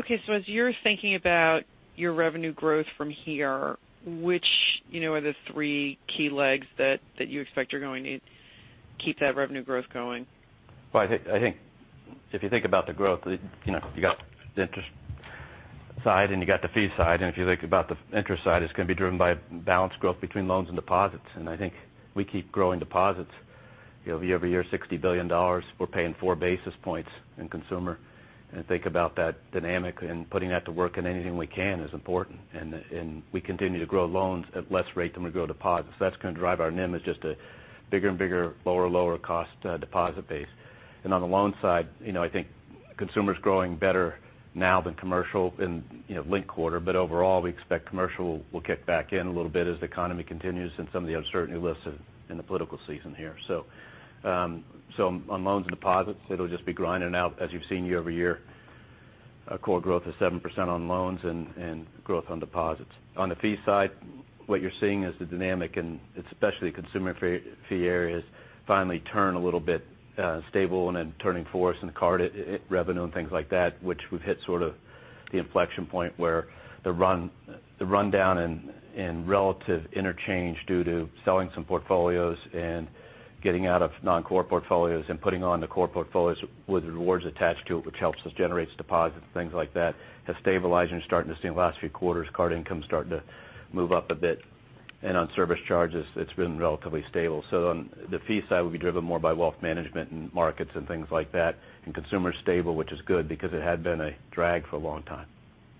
Okay. As you're thinking about your revenue growth from here, which are the three key legs that you expect are going to keep that revenue growth going? Well, I think if you think about the growth, you got the interest side, and you got the fee side. If you think about the interest side, it's going to be driven by balance growth between loans and deposits. I think we keep growing deposits year-over-year, $60 billion. We're paying four basis points in Consumer. Think about that dynamic and putting that to work in anything we can is important. We continue to grow loans at less rate than we grow deposits. That's going to drive our NIM is just a bigger and bigger, lower cost deposit base. On the loan side, I think Consumer's growing better now than Commercial in linked-quarter. Overall, we expect Commercial will kick back in a little bit as the economy continues and some of the uncertainty lifts in the political season here. On loans and deposits, it'll just be grinding out, as you've seen year-over-year, core growth of 7% on loans and growth on deposits. On the fee side, what you're seeing is the dynamic and especially consumer fee areas finally turn a little bit stable and then turning for us in the card revenue and things like that, which we've hit sort of the inflection point where the rundown in relative interchange due to selling some portfolios and getting out of non-core portfolios and putting on the core portfolios with rewards attached to it, which helps us generates deposits and things like that, has stabilized and starting to see in the last few quarters, card income starting to move up a bit. On service charges, it's been relatively stable. On the fee side, we'll be driven more by wealth management and markets and things like that. Consumer's stable, which is good because it had been a drag for a long time.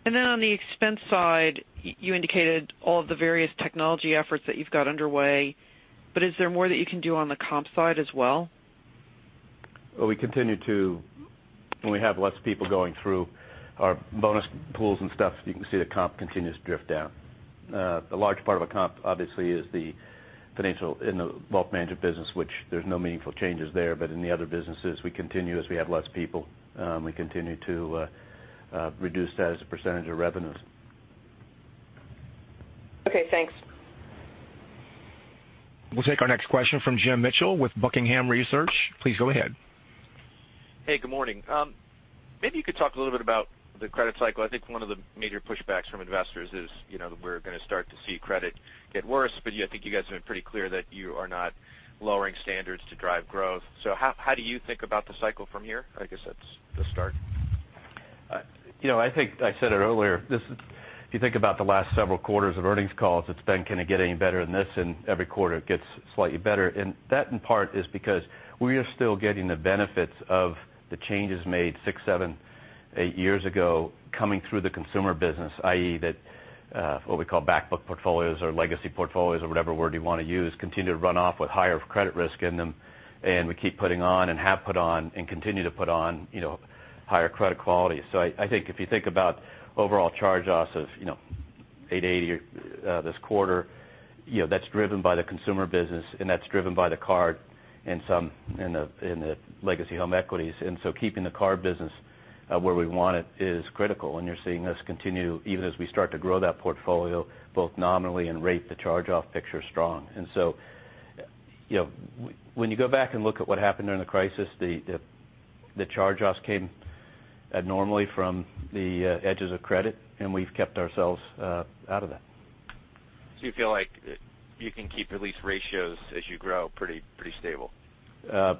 On the expense side, you indicated all of the various technology efforts that you've got underway. Is there more that you can do on the comp side as well? We continue to, when we have less people going through our bonus pools and stuff, you can see the comp continues to drift down. A large part of a comp obviously is the [inaudible] the wealth management business, which there's no meaningful changes there. In the other businesses, we continue as we have less people, we continue to reduce that as a percentage of revenues. Okay, thanks. We'll take our next question from Jim Mitchell with Buckingham Research. Please go ahead. Hey, good morning. Maybe you could talk a little bit about the credit cycle. I think one of the major pushbacks from investors is that we're going to start to see credit get worse, but I think you guys have been pretty clear that you are not lowering standards to drive growth. How do you think about the cycle from here? I guess that's the start. I think I said it earlier. If you think about the last several quarters of earnings calls, it's been kind of getting better than this, and every quarter it gets slightly better. That in part is because we are still getting the benefits of the changes made six, seven, eight years ago coming through the consumer business, i.e., what we call back book portfolios or legacy portfolios or whatever word you want to use, continue to run off with higher credit risk in them. We keep putting on and have put on and continue to put on higher credit quality. I think if you think about overall charge-offs of $880 this quarter, that's driven by the consumer business, and that's driven by the card and some in the legacy home equities. Keeping the card business where we want it is critical. You're seeing us continue even as we start to grow that portfolio both nominally and rate the charge-off picture strong. When you go back and look at what happened during the crisis, the charge-offs came abnormally from the edges of credit, and we've kept ourselves out of that. You feel like you can keep at least ratios as you grow pretty stable?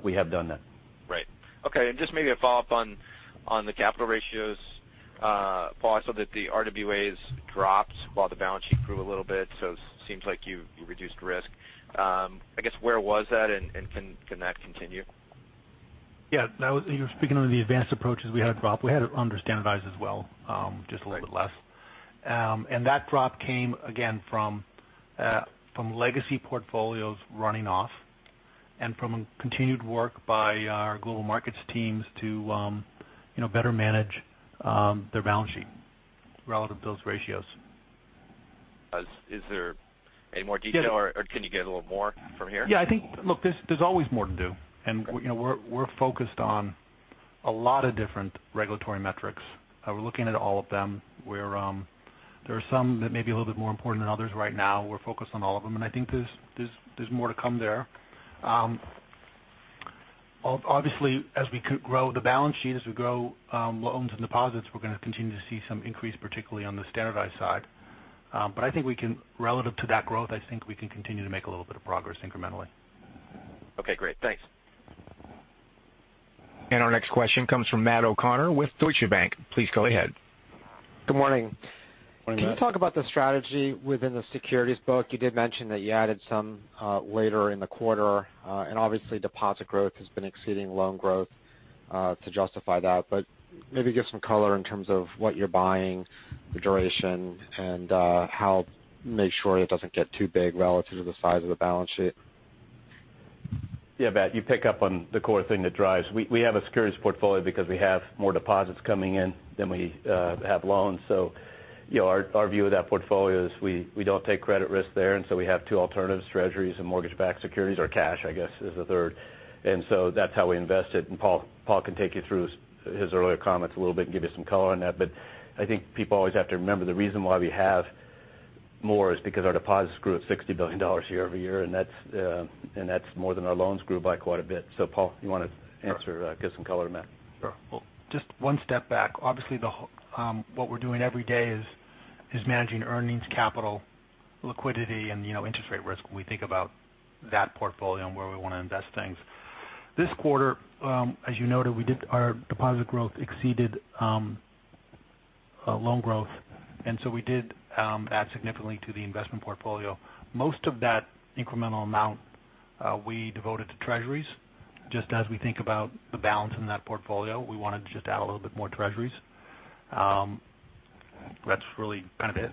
We have done that. Right. Okay. Just maybe a follow-up on the capital ratios. Paul, I saw that the RWAs dropped while the balance sheet grew a little bit, so it seems like you reduced risk. I guess where was that, and can that continue? Yeah. You're speaking of the advanced approaches we had drop. We had it under standardized as well, just a little bit less. That drop came again from legacy portfolios running off and from continued work by our Global Markets teams to better manage their balance sheet relative to those ratios. Is there any more detail or can you get a little more from here? Yeah. Look, there's always more to do, and we're focused on a lot of different regulatory metrics. We're looking at all of them. There are some that may be a little bit more important than others right now. We're focused on all of them, and I think there's more to come there. Obviously, as we grow the balance sheet, as we grow loans and deposits, we're going to continue to see some increase, particularly on the standardized side. I think relative to that growth, I think we can continue to make a little bit of progress incrementally. Okay, great. Thanks. Our next question comes from Matt O'Connor with Deutsche Bank. Please go ahead. Good morning. Morning, Matt. Can you talk about the strategy within the securities book? You did mention that you added some later in the quarter. Obviously deposit growth has been exceeding loan growth to justify that. Maybe give some color in terms of what you're buying, the duration, and how to make sure it doesn't get too big relative to the size of the balance sheet. Yeah, Matt, you pick up on the core thing that drives. We have a securities portfolio because we have more deposits coming in than we have loans. Our view of that portfolio is we don't take credit risk there. We have two alternatives, treasuries and mortgage-backed securities, or cash, I guess is the third. That's how we invest it. Paul can take you through his earlier comments a little bit and give you some color on that. I think people always have to remember the reason why we have More is because our deposits grew at $60 billion year-over-year, and that's more than our loans grew by quite a bit. Paul, you want to answer, give some color to Matt? Sure. Well, just one step back. Obviously, what we're doing every day is managing earnings, capital, liquidity, and interest rate risk when we think about that portfolio and where we want to invest things. This quarter, as you noted, our deposit growth exceeded loan growth. We did add significantly to the investment portfolio. Most of that incremental amount we devoted to treasuries. Just as we think about the balance in that portfolio, we wanted to just add a little bit more treasuries. That's really kind of it.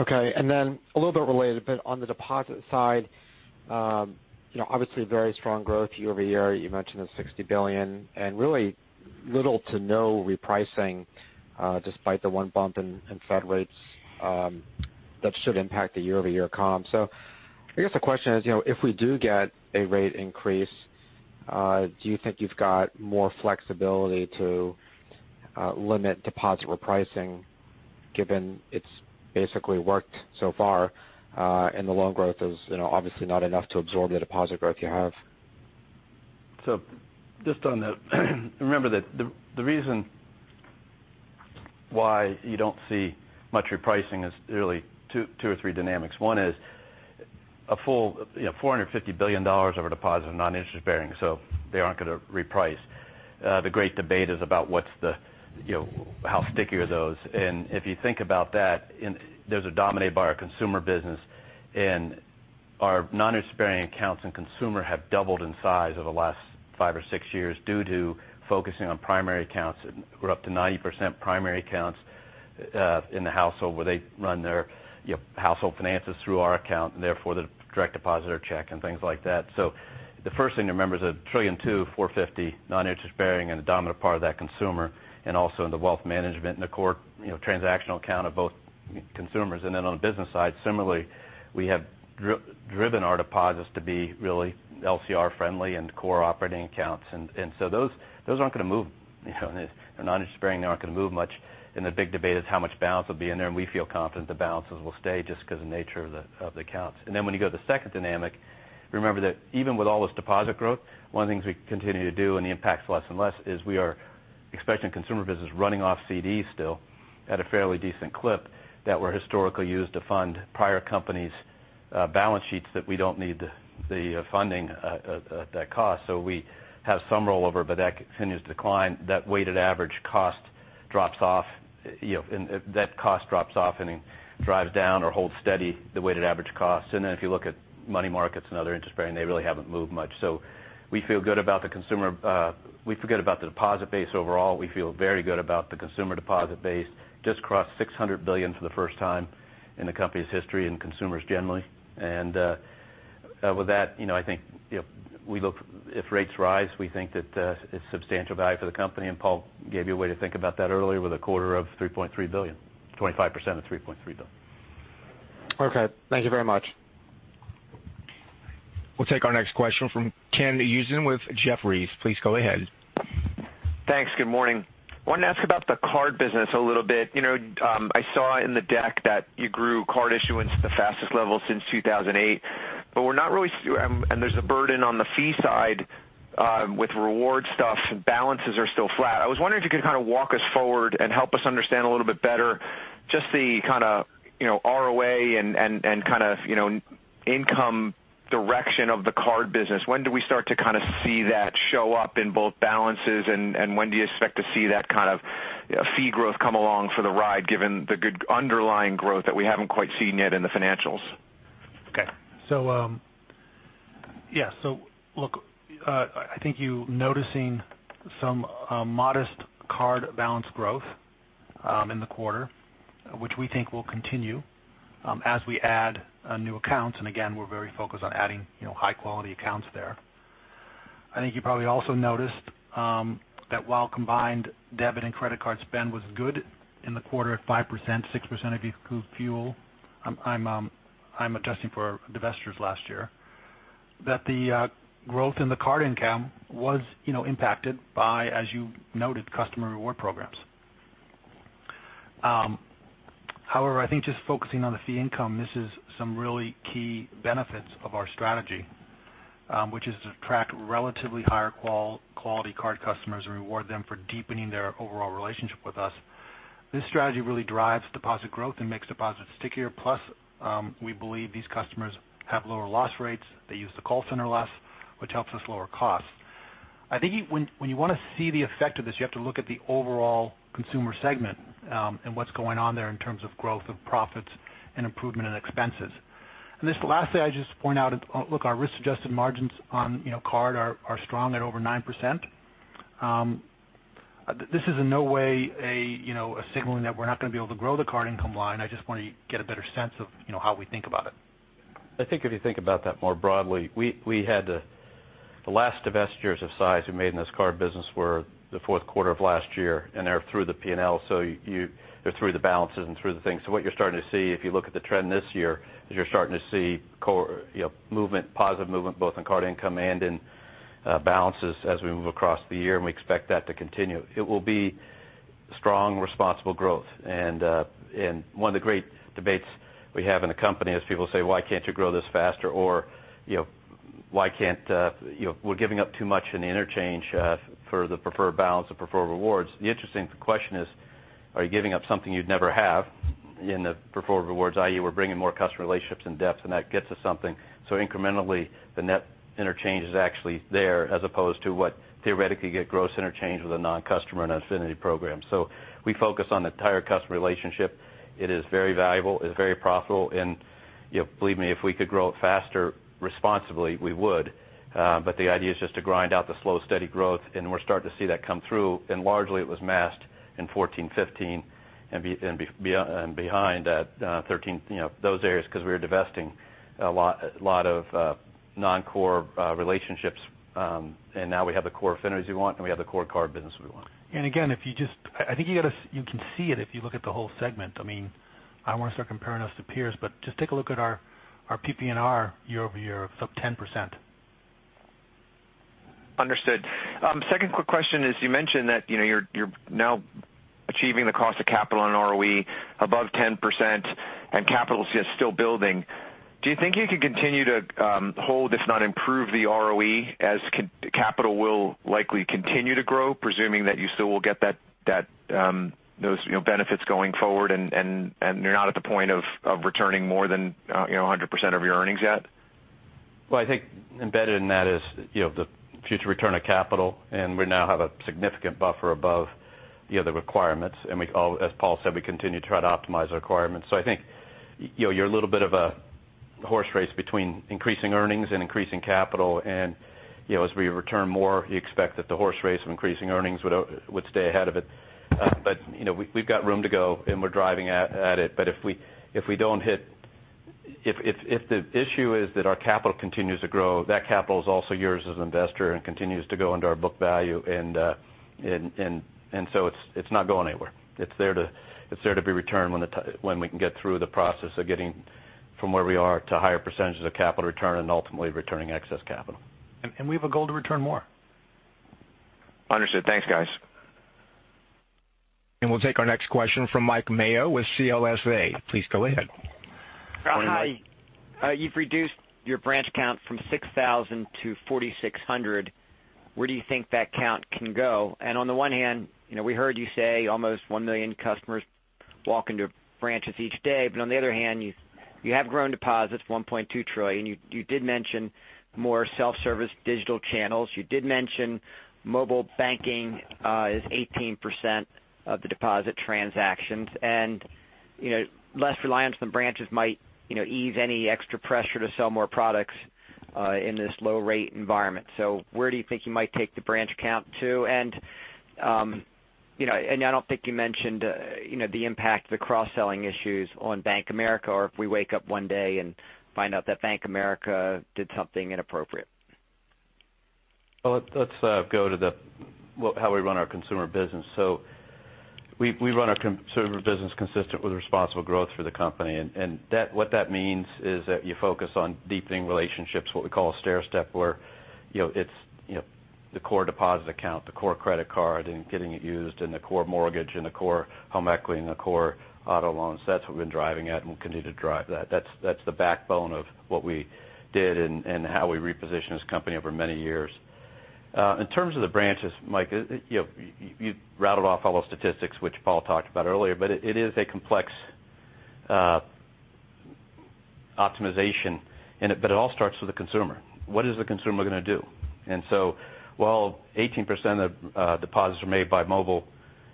Okay, a little bit related, but on the deposit side. Obviously very strong growth year-over-year. You mentioned the $60 billion. Really little to no repricing, despite the one bump in Fed rates that should impact the year-over-year comp. I guess the question is, if we do get a rate increase, do you think you've got more flexibility to limit deposit repricing given it's basically worked so far, and the loan growth is obviously not enough to absorb the deposit growth you have? Just on that, remember that the reason why you don't see much repricing is really two or three dynamics. One is a full $450 billion of our deposit is non-interest bearing, so they aren't going to reprice. The great debate is about how sticky are those. If you think about that, those are dominated by our consumer business, and our non-interest-bearing accounts and consumer have doubled in size over the last five or six years due to focusing on primary accounts. We're up to 90% primary accounts in the household where they run their household finances through our account. Therefore they direct deposit their check and things like that. The first thing to remember is $1.2 trillion, $450 billion, non-interest bearing, a dominant part of that consumer, and also in the Wealth Management and the core transactional account of both consumers. On the business side, similarly, we have driven our deposits to be really LCR friendly and core operating accounts. Those aren't going to move. They're non-interest-bearing, they aren't going to move much. The big debate is how much balance will be in there, and we feel confident the balances will stay just because of the nature of the accounts. When you go to the second dynamic, remember that even with all this deposit growth, one of the things we continue to do, and the impact is less and less, is we are expecting consumer business running off CDs still at a fairly decent clip that were historically used to fund prior companies' balance sheets that we don't need the funding at that cost. We have some rollover, but that continues to decline. That weighted average cost drops off, it drives down or holds steady the weighted average cost. If you look at money markets and other interest bearing, they really haven't moved much. We feel good about the deposit base overall. We feel very good about the consumer deposit base. Just crossed $600 billion for the first time in the company's history in consumers generally. With that, I think if rates rise, we think that it's a substantial value for the company. Paul gave you a way to think about that earlier with a quarter of $3.3 billion. 25% of $3.3 billion. Okay. Thank you very much. We'll take our next question from Ken Usdin with Jefferies. Please go ahead. Thanks. Good morning. Wanted to ask about the card business a little bit. I saw in the deck that you grew card issuance at the fastest level since 2008. There's a burden on the fee side with reward stuff, and balances are still flat. I was wondering if you could kind of walk us forward and help us understand a little bit better just the kind of ROA and kind of income direction of the card business. When do we start to kind of see that show up in both balances, and when do you expect to see that kind of fee growth come along for the ride given the good underlying growth that we haven't quite seen yet in the financials? Okay. Yes. Look, I think you noticing some modest card balance growth in the quarter, which we think will continue as we add new accounts. Again, we're very focused on adding high-quality accounts there. I think you probably also noticed that while combined debit and credit card spend was good in the quarter at 5%, 6% if you include fuel. I'm adjusting for divestitures last year. That the growth in the card income was impacted by, as you noted, customer reward programs. However, I think just focusing on the fee income misses some really key benefits of our strategy, which is to attract relatively higher-quality card customers and reward them for deepening their overall relationship with us. This strategy really drives deposit growth and makes deposits stickier. Plus, we believe these customers have lower loss rates. They use the call center less, which helps us lower costs. I think when you want to see the effect of this, you have to look at the overall consumer segment and what's going on there in terms of growth of profits and improvement in expenses. This last thing I'd just point out, look, our risk-adjusted margins on card are strong at over 9%. This is in no way a signaling that we're not going to be able to grow the card income line. I just want you to get a better sense of how we think about it. I think if you think about that more broadly, we had the last divestitures of size we made in this card business were the fourth quarter of last year, and they're through the P&L. They're through the balances and through the things. What you're starting to see, if you look at the trend this year, is you're starting to see positive movement both in card income and in balances as we move across the year, and we expect that to continue. It will be Strong, responsible growth. One of the great debates we have in the company is people say, "Why can't you grow this faster?" "We're giving up too much in the interchange for the preferred balance of Preferred Rewards." The interesting question is, are you giving up something you'd never have in the Preferred Rewards, i.e., we're bringing more customer relationships and depth, and that gets us something. Incrementally, the net interchange is actually there as opposed to what theoretically get gross interchange with a non-customer and affinity program. We focus on the entire customer relationship. It is very valuable. It's very profitable. Believe me, if we could grow it faster responsibly, we would. The idea is just to grind out the slow, steady growth, and we're starting to see that come through. Largely it was masked in 2014, 2015, and behind 2013, those areas because we were divesting a lot of non-core relationships. Now we have the core affinities we want, and we have the core card business we want. Again, I think you can see it if you look at the whole segment. I don't want to start comparing us to peers, just take a look at our PPNR year-over-year up 10%. Understood. Second quick question is you mentioned that you're now achieving the cost of capital on an ROE above 10%. Capital is still building. Do you think you could continue to hold, if not improve the ROE, as capital will likely continue to grow, presuming that you still will get those benefits going forward, you're not at the point of returning more than 100% of your earnings yet? Well, I think embedded in that is the future return of capital, we now have a significant buffer above the requirements. As Paul said, we continue to try to optimize our requirements. I think you're a little bit of a horse race between increasing earnings and increasing capital. As we return more, you expect that the horse race of increasing earnings would stay ahead of it. We've got room to go, and we're driving at it. If the issue is that our capital continues to grow, that capital is also yours as an investor and continues to go into our book value. It's not going anywhere. It's there to be returned when we can get through the process of getting from where we are to higher % of capital return and ultimately returning excess capital. We have a goal to return more. Understood. Thanks, guys. We'll take our next question from Mike Mayo with CLSA. Please go ahead. Good morning, Mike Mayo. Hi. You've reduced your branch count from 6,000 to 4,600. Where do you think that count can go? On the one hand, we heard you say almost 1 million customers walk into branches each day. On the other hand, you have grown deposits $1.2 trillion. You did mention more self-service digital channels. You did mention mobile banking is 18% of the deposit transactions. Less reliance on branches might ease any extra pressure to sell more products in this low-rate environment. Where do you think you might take the branch count to? I don't think you mentioned the impact of the cross-selling issues on Bank of America or if we wake up one day and find out that Bank of America did something inappropriate. Well, let's go to how we run our consumer business. We run our consumer business consistent with responsible growth for the company. What that means is that you focus on deepening relationships, what we call a stairstep, where it's the core deposit account, the core credit card, and getting it used, and the core mortgage, and the core home equity, and the core auto loans. That's what we've been driving at, and we'll continue to drive that. That's the backbone of what we did and how we repositioned this company over many years. In terms of the branches, Mike Mayo, you rattled off all those statistics, which Paul Donofrio talked about earlier, it is a complex optimization, it all starts with the consumer. What is the consumer going to do? While 18% of deposits are made by mobile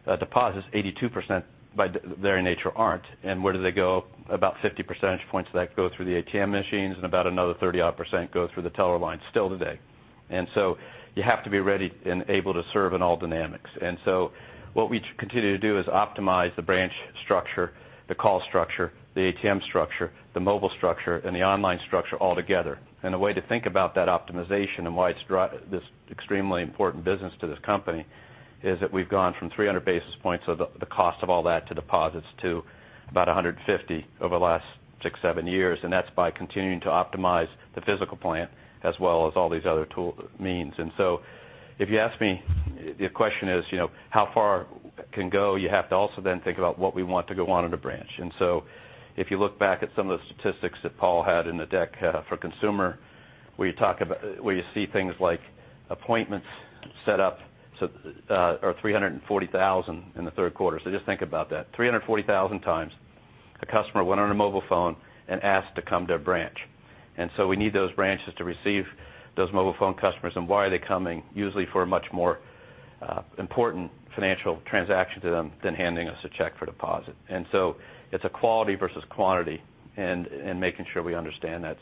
deposits, 82% by their nature aren't. Where do they go? About 50 percentage points of that go through the ATM machines and about another 30 odd percent go through the teller line still today. You have to be ready and able to serve in all dynamics. What we continue to do is optimize the branch structure, the call structure, the ATM structure, the mobile structure, and the online structure all together. The way to think about that optimization and why it's this extremely important business to this company is that we've gone from 300 basis points of the cost of all that to deposits to about 150 over the last six, seven years, and that's by continuing to optimize the physical plan as well as all these other means. If you ask me, the question is, how far it can go? You have to also then think about what we want to go on in a branch. If you look back at some of the statistics that Paul had in the deck for Consumer, where you see things like appointments set up are 340,000 in the third quarter. Just think about that. 340,000 times a customer went on a mobile phone and asked to come to a branch. We need those branches to receive those mobile phone customers. Why are they coming? Usually for a much more important financial transaction to them than handing us a check for deposit. It's a quality versus quantity and making sure we understand that.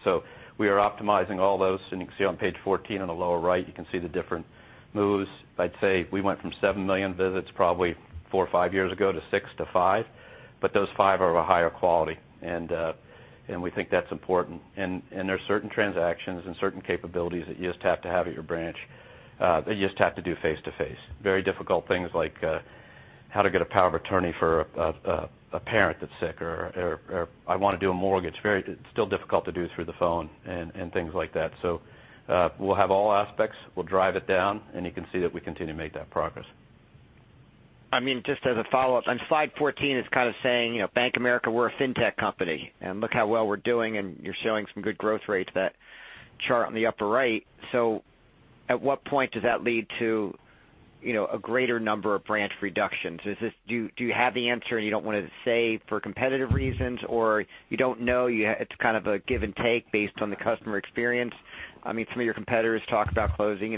We are optimizing all those. You can see on page 14 on the lower right, you can see the different moves. I'd say we went from 7 million visits probably 4 or 5 years ago to 6 to 5, but those 5 are of a higher quality. We think that's important. There's certain transactions and certain capabilities that you just have to have at your branch that you just have to do face-to-face. Very difficult things like how to get a power of attorney for a parent that's sick, or I want to do a mortgage. It's still difficult to do through the phone and things like that. We'll have all aspects. We'll drive it down, and you can see that we continue to make that progress. Just as a follow-up, on slide 14, it's kind of saying, Bank of America, we're a fintech company. Look how well we're doing. You're showing some good growth rates, that chart on the upper right. At what point does that lead to a greater number of branch reductions? Do you have the answer and you don't want to say for competitive reasons? You don't know, it's kind of a give and take based on the customer experience? Some of your competitors talk about closing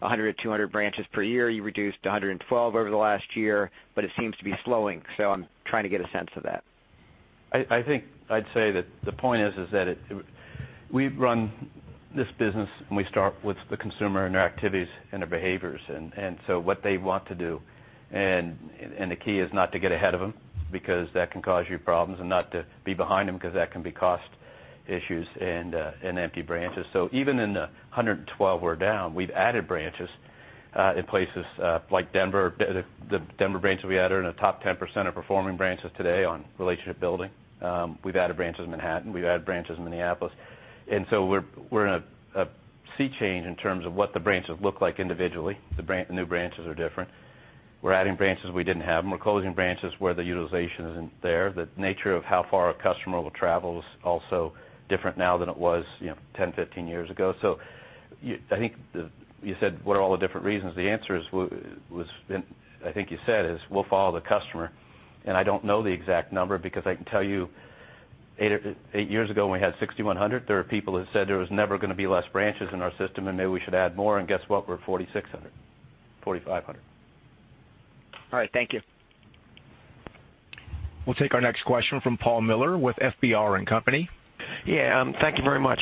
100 or 200 branches per year. You reduced 112 over the last year, but it seems to be slowing. I'm trying to get a sense of that. I think I'd say that the point is that we run this business. We start with the Consumer and their activities and their behaviors. What they want to do. The key is not to get ahead of them because that can cause you problems. Not to be behind them because that can be cost issues and empty branches. Even in the 112 we're down, we've added branches in places like Denver. The Denver branch that we added are in the top 10% of performing branches today on relationship building. We've added branches in Manhattan. We've added branches in Minneapolis. We're in a sea change in terms of what the branches look like individually. The new branches are different. We're adding branches we didn't have, and we're closing branches where the utilization isn't there. The nature of how far a customer will travel is also different now than it was 10, 15 years ago. I think you said, what are all the different reasons? The answer is, I think you said, is we'll follow the customer. I don't know the exact number because I can tell you eight years ago, when we had 6,100, there were people that said there was never going to be less branches in our system and maybe we should add more. Guess what? We're at 4,600. 4,500. All right. Thank you. We'll take our next question from Paul Miller with FBR & Co.. Thank you very much.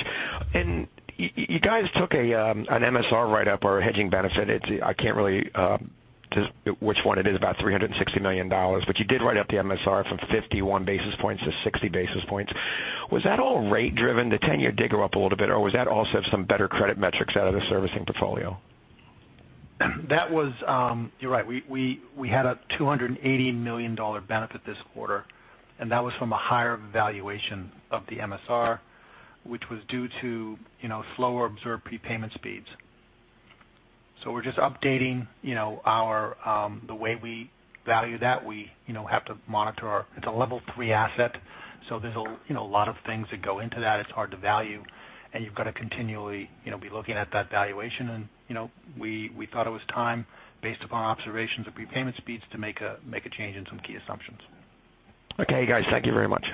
You guys took an MSR write-up or a hedging benefit. I can't really which one it is, about $360 million. You did write up the MSR from 51 basis points to 60 basis points. Was that all rate driven? The 10-year did go up a little bit, or was that also some better credit metrics out of the servicing portfolio? You're right. We had a $280 million benefit this quarter. That was from a higher valuation of the MSR, which was due to slower observed prepayment speeds. We're just updating the way we value that. It's a level 3 asset, there's a lot of things that go into that. It's hard to value. You've got to continually be looking at that valuation. We thought it was time based upon observations of prepayment speeds to make a change in some key assumptions. Okay, guys. Thank you very much.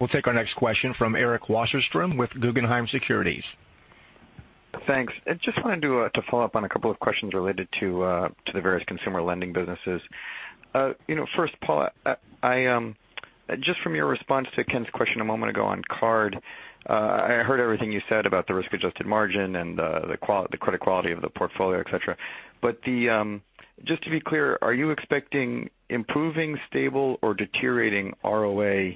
We'll take our next question from Eric Wasserstrom with Guggenheim Securities. Thanks. I just wanted to follow up on a couple of questions related to the various consumer lending businesses. First, Paul, just from your response to Ken's question a moment ago on card, I heard everything you said about the risk-adjusted margin and the credit quality of the portfolio, et cetera. Just to be clear, are you expecting improving, stable, or deteriorating ROA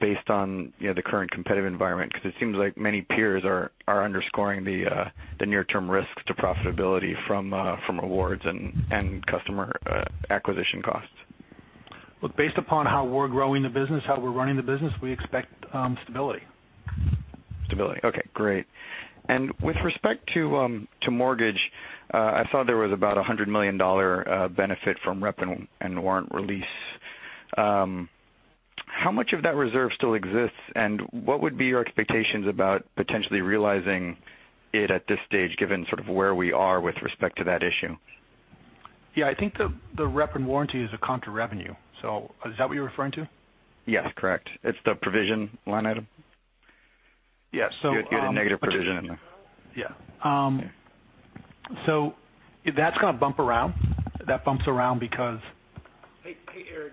based on the current competitive environment? It seems like many peers are underscoring the near-term risks to profitability from rewards and customer acquisition costs. Look, based upon how we're growing the business, how we're running the business, we expect stability. Stability. Okay, great. With respect to mortgage, I thought there was about $100 million benefit from rep and warrant release. How much of that reserve still exists, and what would be your expectations about potentially realizing it at this stage, given sort of where we are with respect to that issue? Yeah, I think the rep and warranty is a contra-revenue. Is that what you're referring to? Yes, correct. It's the provision line item. Yes. You had a negative provision in there. Yeah. That's going to bump around. That bumps around. Hey, Eric.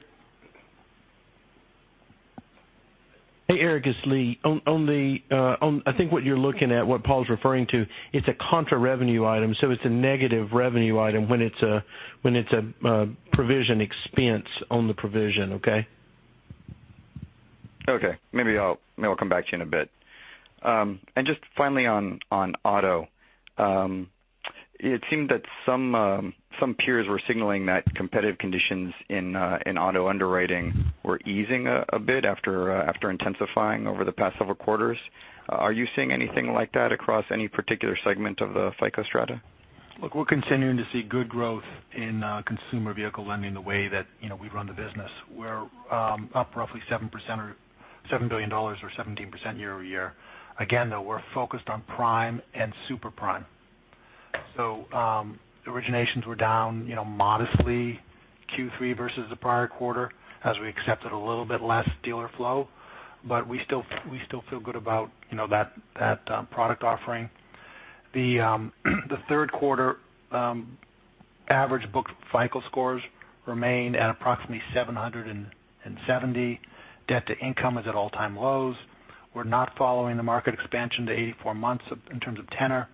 Hey, Eric. It's Lee. I think what you're looking at, what Paul's referring to, it's a contra-revenue item, so it's a negative revenue item when it's a provision expense on the provision, okay? Okay. Maybe I'll come back to you in a bit. Just finally on auto. It seemed that some peers were signaling that competitive conditions in auto underwriting were easing a bit after intensifying over the past several quarters. Are you seeing anything like that across any particular segment of the FICO strata? Look, we're continuing to see good growth in consumer vehicle lending the way that we run the business. We're up roughly $7 billion or 17% year-over-year. Again, though, we're focused on prime and super prime. Originations were down modestly Q3 versus the prior quarter as we accepted a little bit less dealer flow. We still feel good about that product offering. The third quarter average book FICO scores remain at approximately 770. Debt to income is at all-time lows. We're not following the market expansion to 84 months in terms of tenor.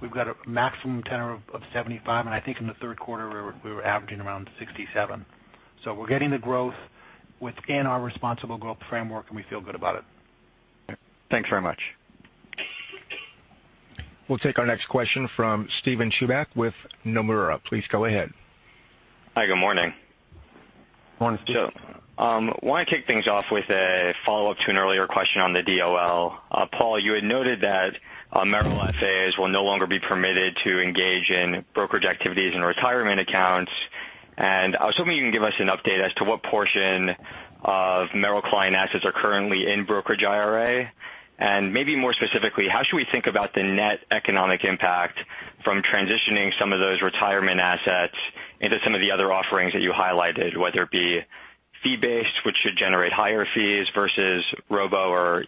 We've got a maximum tenor of 75, and I think in the third quarter, we were averaging around 67. We're getting the growth within our responsible growth framework, and we feel good about it. Thanks very much. We'll take our next question from Steven Chubak with Nomura. Please go ahead. Hi, good morning. Morning, Steven. I want to kick things off with a follow-up to an earlier question on the DOL. Paul, you had noted that Merrill FAs will no longer be permitted to engage in brokerage activities and retirement accounts. I was hoping you can give us an update as to what portion of Merrill client assets are currently in brokerage IRA. Maybe more specifically, how should we think about the net economic impact from transitioning some of those retirement assets into some of the other offerings that you highlighted, whether it be fee-based, which should generate higher fees versus robo or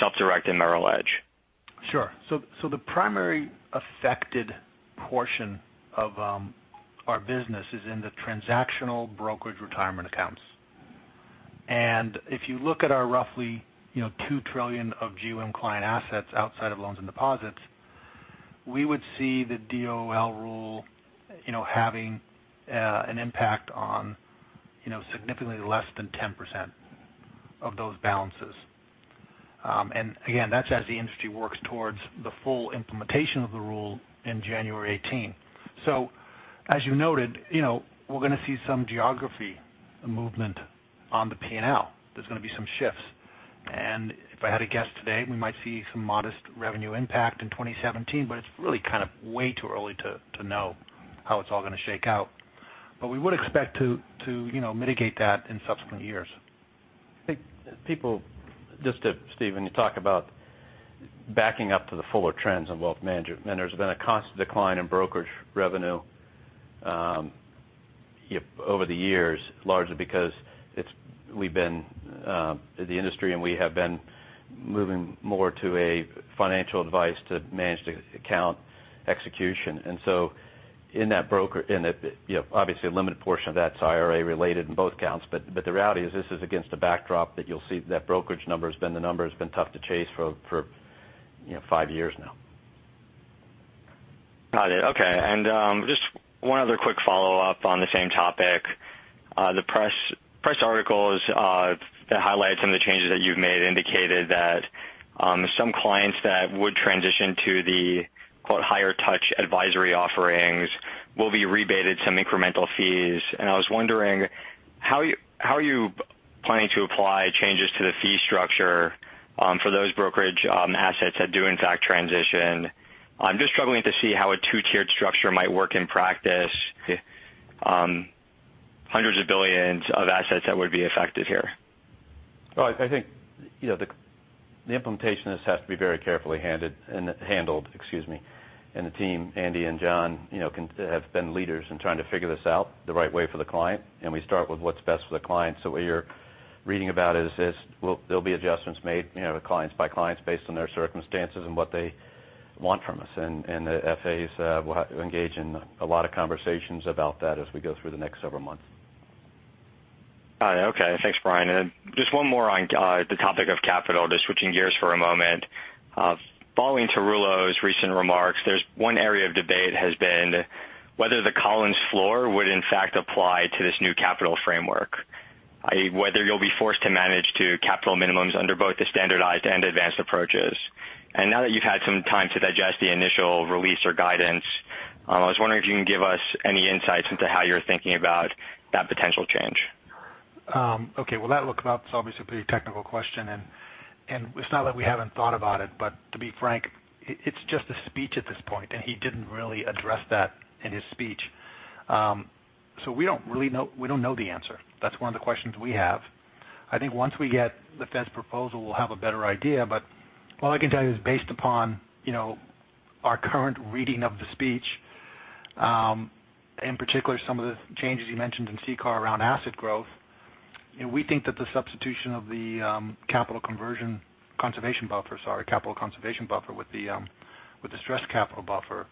self-directed Merrill Edge? Sure. The primary affected portion of our business is in the transactional brokerage retirement accounts. If you look at our roughly $2 trillion of GWIM client assets outside of loans and deposits, we would see the DOL rule having an impact on significantly less than 10% of those balances. Again, that's as the industry works towards the full implementation of the rule in January 2018. As you noted, we're going to see some geography movement on the P&L. There's going to be some shifts. If I had to guess today, we might see some modest revenue impact in 2017, but it's really kind of way too early to know how it's all going to shake out. We would expect to mitigate that in subsequent years. I think people, just to Steven, you talk about backing up to the fuller trends in wealth management, there's been a constant decline in brokerage revenue over the years, largely because the industry and we have been moving more to a financial advice to managed account execution. Obviously, a limited portion of that's IRA related in both counts. The reality is this is against a backdrop that you'll see that brokerage number has been the number that's been tough to chase for five years now. Got it. Okay. Just one other quick follow-up on the same topic. The press articles that highlight some of the changes that you've made indicated that some clients that would transition to the quote, higher touch advisory offerings will be rebated some incremental fees. I was wondering, how are you planning to apply changes to the fee structure for those brokerage assets that do in fact transition? I'm just struggling to see how a two-tiered structure might work in practice. Hundreds of billions of assets that would be affected here. Well, I think the implementation of this has to be very carefully handled. The team, Andy and John have been leaders in trying to figure this out the right way for the client, and we start with what's best for the client. What you're reading about is there'll be adjustments made with clients by clients based on their circumstances and what they want from us. The FAs will have to engage in a lot of conversations about that as we go through the next several months. Got it. Okay. Thanks, Brian. Just one more on the topic of capital, just switching gears for a moment. Following Tarullo's recent remarks, there's one area of debate has been whether the Collins floor would in fact apply to this new capital framework, whether you'll be forced to manage to capital minimums under both the standardized and advanced approaches. Now that you've had some time to digest the initial release or guidance, I was wondering if you can give us any insights into how you're thinking about that potential change. Okay. Well, that looks about obviously pretty technical question, and it's not that we haven't thought about it, but to be frank, it's just a speech at this point, and he didn't really address that in his speech. We don't know the answer. That's one of the questions we have. I think once we get the Fed's proposal, we'll have a better idea. All I can tell you is based upon our current reading of the speech, in particular, some of the changes you mentioned in CCAR around asset growth, we think that the substitution of the capital conservation buffer with the stress capital buffer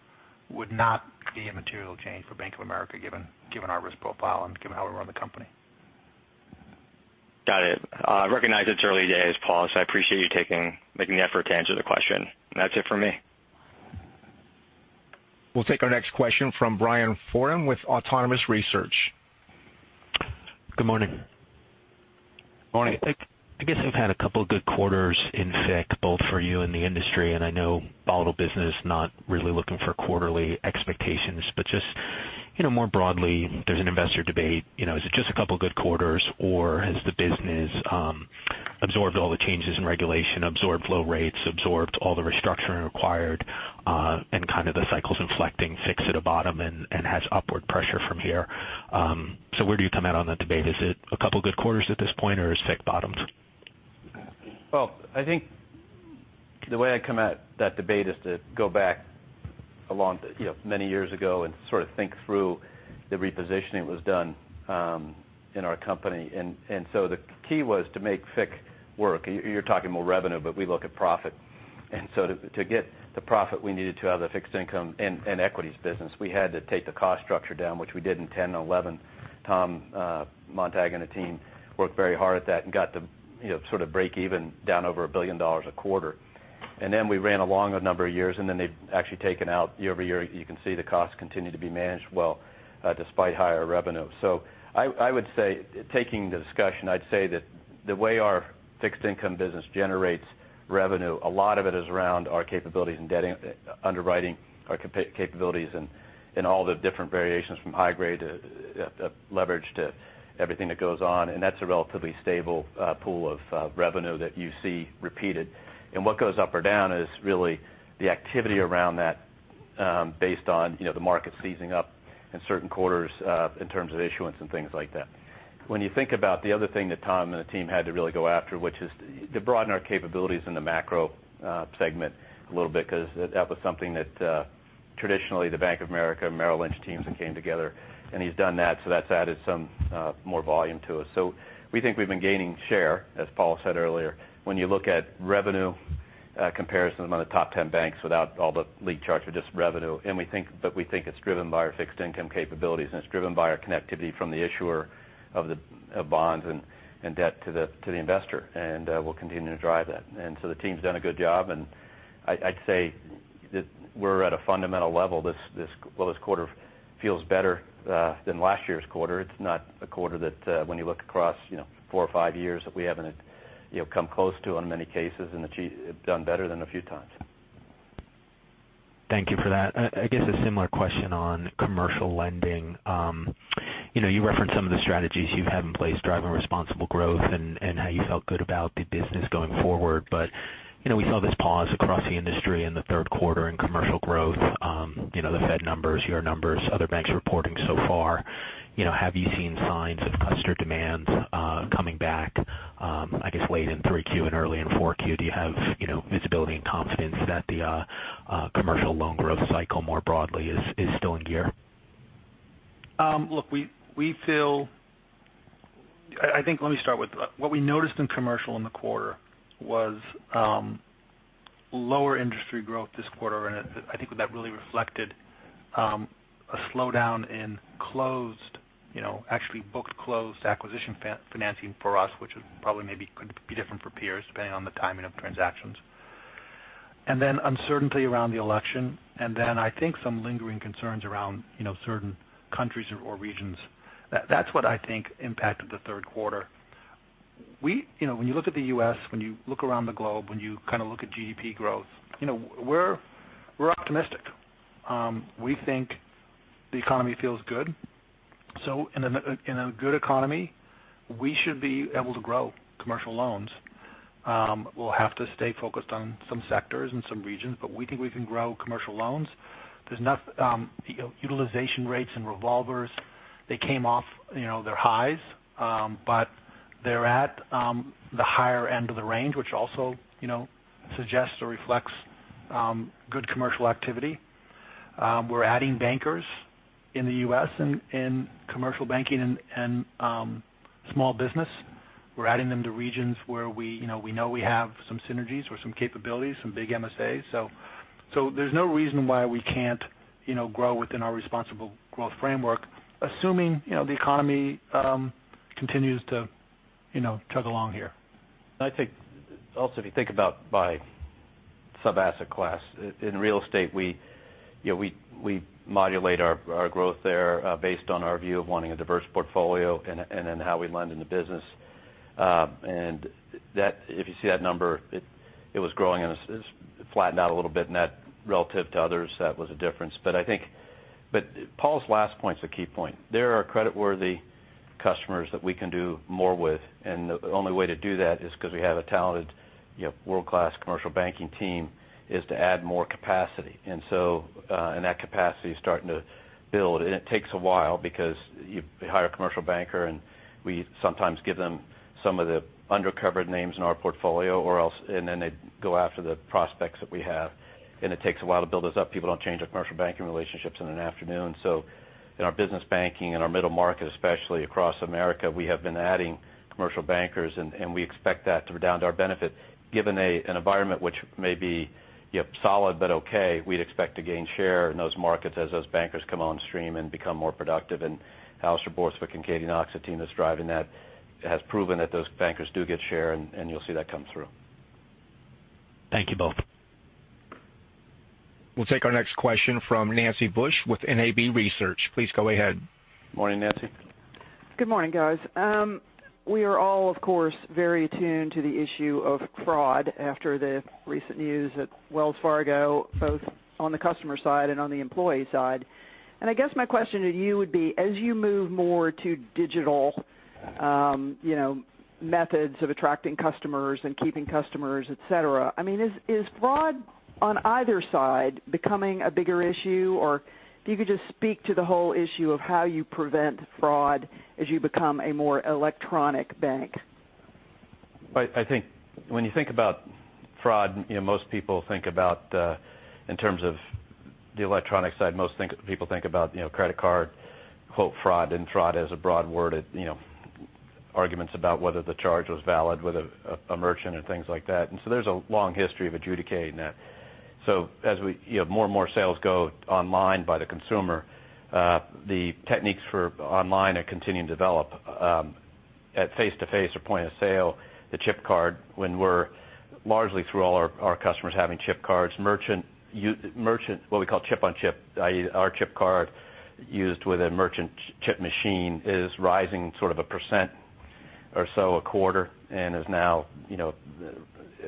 would not be a material change for Bank of America given our risk profile and given how we run the company. Got it. I recognize it's early days, Paul. I appreciate you making the effort to answer the question. That's it for me. We'll take our next question from Brian Foran with Autonomous Research. Good morning. Morning. I guess you've had a couple of good quarters in FICC, both for you and the industry, and I know volatile business, not really looking for quarterly expectations. Just more broadly, there's an investor debate, is it just a couple of good quarters or has the business absorbed all the changes in regulation, absorbed low rates, absorbed all the restructuring required, and kind of the cycle's inflecting FICC at a bottom and has upward pressure from here? Where do you come out on that debate? Is it a couple of good quarters at this point, or is FICC bottomed? I think the way I come at that debate is to go back many years ago and sort of think through the repositioning that was done in our company. The key was to make FICC work. You're talking more revenue, but we look at profit. To get the profit we needed to have the fixed income and equities business, we had to take the cost structure down, which we did in 2010 and 2011. Tom Montag and the team worked very hard at that and got the sort of break even down over $1 billion a quarter. We ran along a number of years, they've actually taken out year-over-year. You can see the costs continue to be managed well despite higher revenue. I would say, taking the discussion, I'd say that the way our fixed income business generates revenue, a lot of it is around our capabilities in underwriting, our capabilities in all the different variations from high grade to leverage to everything that goes on. That's a relatively stable pool of revenue that you see repeated. What goes up or down is really the activity around that based on the market seizing up in certain quarters in terms of issuance and things like that. When you think about the other thing that Tom and the team had to really go after, which is to broaden our capabilities in the macro segment a little bit because that was something that traditionally the Bank of America and Merrill Lynch teams had came together, and he's done that. That's added some more volume to us. We think we've been gaining share, as Paul said earlier. When you look at revenue comparisons among the top 10 banks without all the lead charts or just revenue. We think it's driven by our fixed income capabilities, and it's driven by our connectivity from the issuer of bonds and debt to the investor, and we'll continue to drive that. The team's done a good job, and I'd say that we're at a fundamental level. This quarter feels better than last year's quarter. It's not a quarter that when you look across four or five years that we haven't come close to in many cases and done better than a few times. Thank you for that. I guess a similar question on commercial lending. You referenced some of the strategies you have in place driving responsible growth and how you felt good about the business going forward. We saw this pause across the industry in the third quarter in commercial growth. The Fed numbers, your numbers, other banks reporting so far. Have you seen signs of customer demand coming back, I guess, late in Q3 and early in Q4? Do you have visibility and confidence that the commercial loan growth cycle more broadly is still in gear? I think let me start with what we noticed in commercial in the quarter was lower industry growth this quarter, and I think that really reflected a slowdown in closed, actually booked closed acquisition financing for us, which probably could be different for peers depending on the timing of transactions. Uncertainty around the election, and I think some lingering concerns around certain countries or regions. That's what I think impacted the third quarter. When you look at the U.S., when you look around the globe, when you look at GDP growth, we're optimistic. We think the economy feels good. In a good economy, we should be able to grow commercial loans. We'll have to stay focused on some sectors and some regions, but we think we can grow commercial loans. There's enough utilization rates and revolvers. They came off their highs, but they're at the higher end of the range, which also suggests or reflects good commercial activity. We're adding bankers in the U.S. in commercial banking and small business. We're adding them to regions where we know we have some synergies or some capabilities, some big MSAs. There's no reason why we can't grow within our responsible growth framework, assuming the economy continues to chug along here. I think also if you think about by sub-asset class. In real estate, we modulate our growth there based on our view of wanting a diverse portfolio and then how we lend in the business. If you see that number, it was growing and it's flattened out a little bit net relative to others. That was a difference. Paul's last point is a key point. There are creditworthy customers that we can do more with, and the only way to do that is because we have a talented world-class commercial banking team, is to add more capacity. That capacity is starting to build. It takes a while because you hire a commercial banker, and we sometimes give them some of the undercovered names in our portfolio or else, and then they go after the prospects that we have. It takes a while to build those up. People don't change their commercial banking relationships in an afternoon. In our business banking, in our middle market especially across America, we have been adding commercial bankers, and we expect that to redound to our benefit. Given an environment which may be solid but okay, we'd expect to gain share in those markets as those bankers come on stream and become more productive. Alastair Borthwick and Katy Knox, the team that's driving that, has proven that those bankers do get share, and you'll see that come through. Thank you both. We'll take our next question from Nancy Bush with NAB Research. Please go ahead. Morning, Nancy. Good morning, guys. We are all, of course, very attuned to the issue of fraud after the recent news at Wells Fargo, both on the customer side and on the employee side. I guess my question to you would be, as you move more to digital methods of attracting customers and keeping customers, et cetera. Is fraud on either side becoming a bigger issue? If you could just speak to the whole issue of how you prevent fraud as you become a more electronic bank. I think when you think about fraud, most people think about in terms of the electronic side. Most people think about credit card fraud, and fraud as a broad word. Arguments about whether the charge was valid with a merchant and things like that. There's a long history of adjudicating that. As more and more sales go online by the consumer, the techniques for online are continuing to develop. At face-to-face or point-of-sale, the chip card, largely through all our customers having chip cards. Merchant, what we call chip-on-chip, i.e., our chip card used with a merchant chip machine, is rising sort of 1% or so a quarter and is now,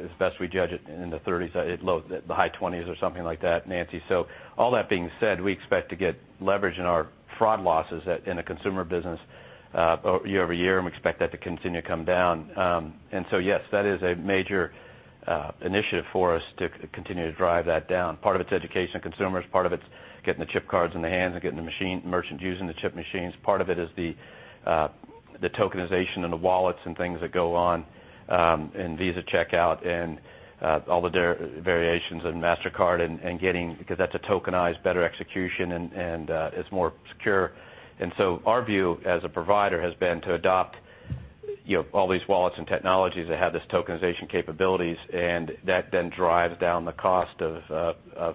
as best we judge it, in the 30s. The high 20s or something like that, Nancy. All that being said, we expect to get leverage in our fraud losses in the Consumer Banking business year-over-year, and we expect that to continue to come down. Yes, that is a major initiative for us to continue to drive that down. Part of it's education consumers, part of it's getting the chip cards in the hands and getting the merchant using the chip machines. Part of it is the tokenization and the wallets and things that go on in Visa Checkout and all the variations in Mastercard, because that's a tokenized better execution, and it's more secure. Our view as a provider has been to adopt all these wallets and technologies that have this tokenization capabilities, and that then drives down the cost of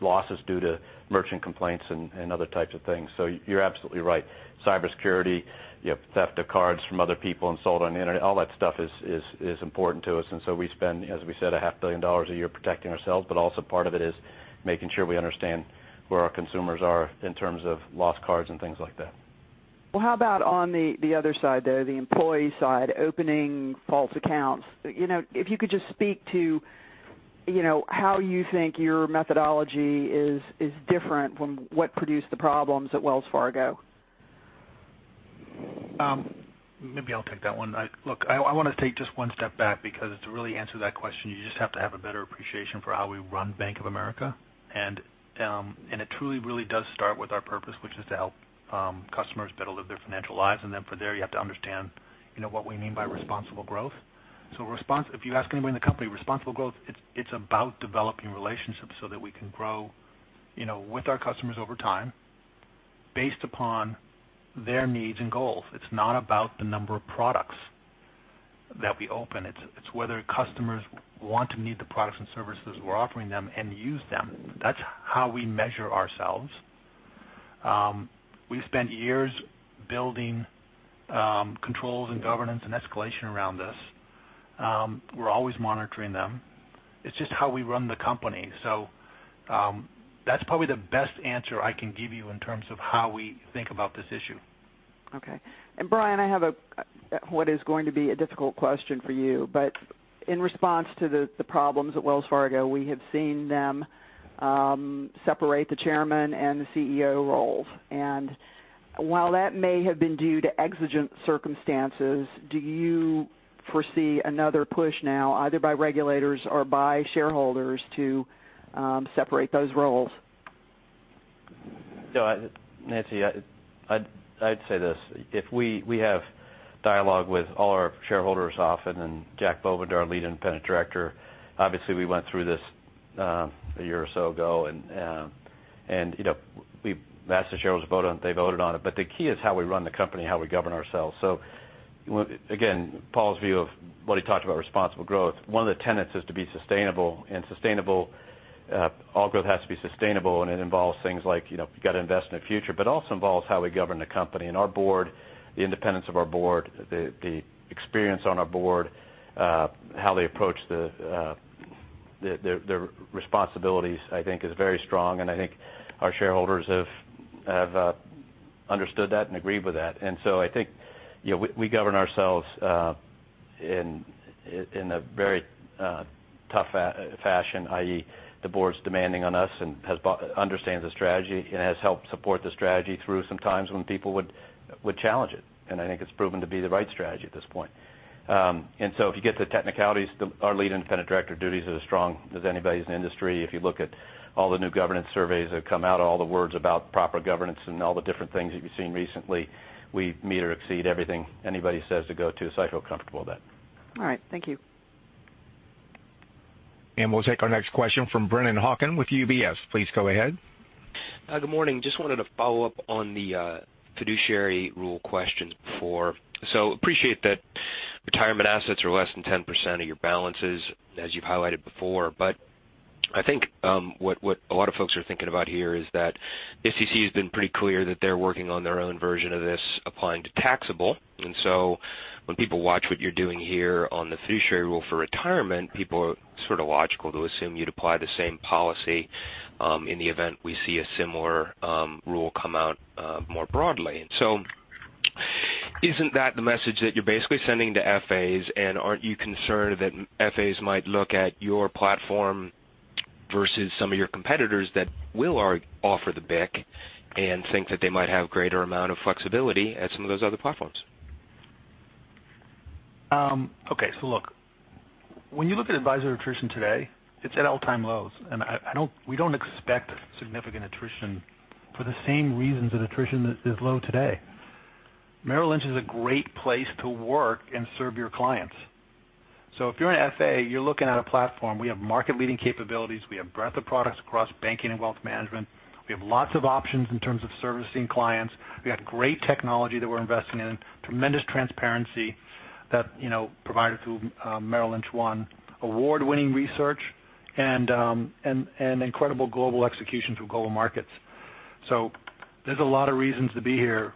losses due to merchant complaints and other types of things. You're absolutely right. Cybersecurity, you have theft of cards from other people and sold on the internet. All that stuff is important to us. We spend, as we said, a half billion dollars a year protecting ourselves. Also part of it is making sure we understand where our consumers are in terms of lost cards and things like that. Well, how about on the other side, though, the employee side, opening false accounts. If you could just speak to how you think your methodology is different from what produced the problems at Wells Fargo. Maybe I'll take that one. Look, I want to take just one step back because to really answer that question, you just have to have a better appreciation for how we run Bank of America. It truly, really does start with our purpose, which is to help customers better live their financial lives. Then from there, you have to understand what we mean by responsible growth. If you ask anybody in the company, responsible growth, it's about developing relationships so that we can grow with our customers over time based upon their needs and goals. It's not about the number of products that we open. It's whether customers want to meet the products and services we're offering them and use them. That's how we measure ourselves. We've spent years building controls and governance and escalation around this. We're always monitoring them. It's just how we run the company. That's probably the best answer I can give you in terms of how we think about this issue. Okay. Brian, I have what is going to be a difficult question for you. In response to the problems at Wells Fargo, we have seen them separate the Chairman and the CEO roles. While that may have been due to exigent circumstances, do you foresee another push now, either by regulators or by shareholders to separate those roles? Nancy, I'd say this. We have dialogue with all our shareholders often, and Jack Bovender, our Lead Independent Director. Obviously, we went through this a year or so ago, and we've asked the shareholders to vote on it. They voted on it. The key is how we run the company, how we govern ourselves. Again, Paul's view of what he talked about, responsible growth. One of the tenets is to be sustainable. All growth has to be sustainable, and it involves things like you've got to invest in the future, but also involves how we govern the company. Our board, the independence of our board, the experience on our board, how they approach their responsibilities, I think, is very strong. I think our shareholders have understood that and agreed with that. I think we govern ourselves in a very tough fashion, i.e., the board's demanding on us and understands the strategy and has helped support the strategy through some times when people would challenge it. I think it's proven to be the right strategy at this point. If you get to the technicalities, our Lead Independent Director duties are as strong as anybody's in the industry. If you look at all the new governance surveys that have come out, all the words about proper governance and all the different things that you've seen recently, we meet or exceed everything anybody says to go to. I feel comfortable with that. All right. Thank you. We'll take our next question from Brennan Hawken with UBS. Please go ahead. Good morning. Just wanted to follow up on the fiduciary rule questions before. Appreciate that retirement assets are less than 10% of your balances, as you've highlighted before. I think what a lot of folks are thinking about here is that SEC has been pretty clear that they're working on their own version of this applying to taxable. When people watch what you're doing here on the fiduciary rule for retirement, people are sort of logical to assume you'd apply the same policy in the event we see a similar rule come out more broadly. Isn't that the message that you're basically sending to FAs, and aren't you concerned that FAs might look at your platform versus some of your competitors that will offer the BIC and think that they might have greater amount of flexibility at some of those other platforms? Look, when you look at advisor attrition today, it's at all-time lows, and we don't expect significant attrition for the same reasons that attrition is low today. Merrill Lynch is a great place to work and serve your clients. If you're an FA, you're looking at a platform. We have market leading capabilities. We have breadth of products across banking and wealth management. We have lots of options in terms of servicing clients. We got great technology that we're investing in, tremendous transparency provided through Merrill Lynch One, award-winning research, and incredible global execution through Global Markets. There's a lot of reasons to be here.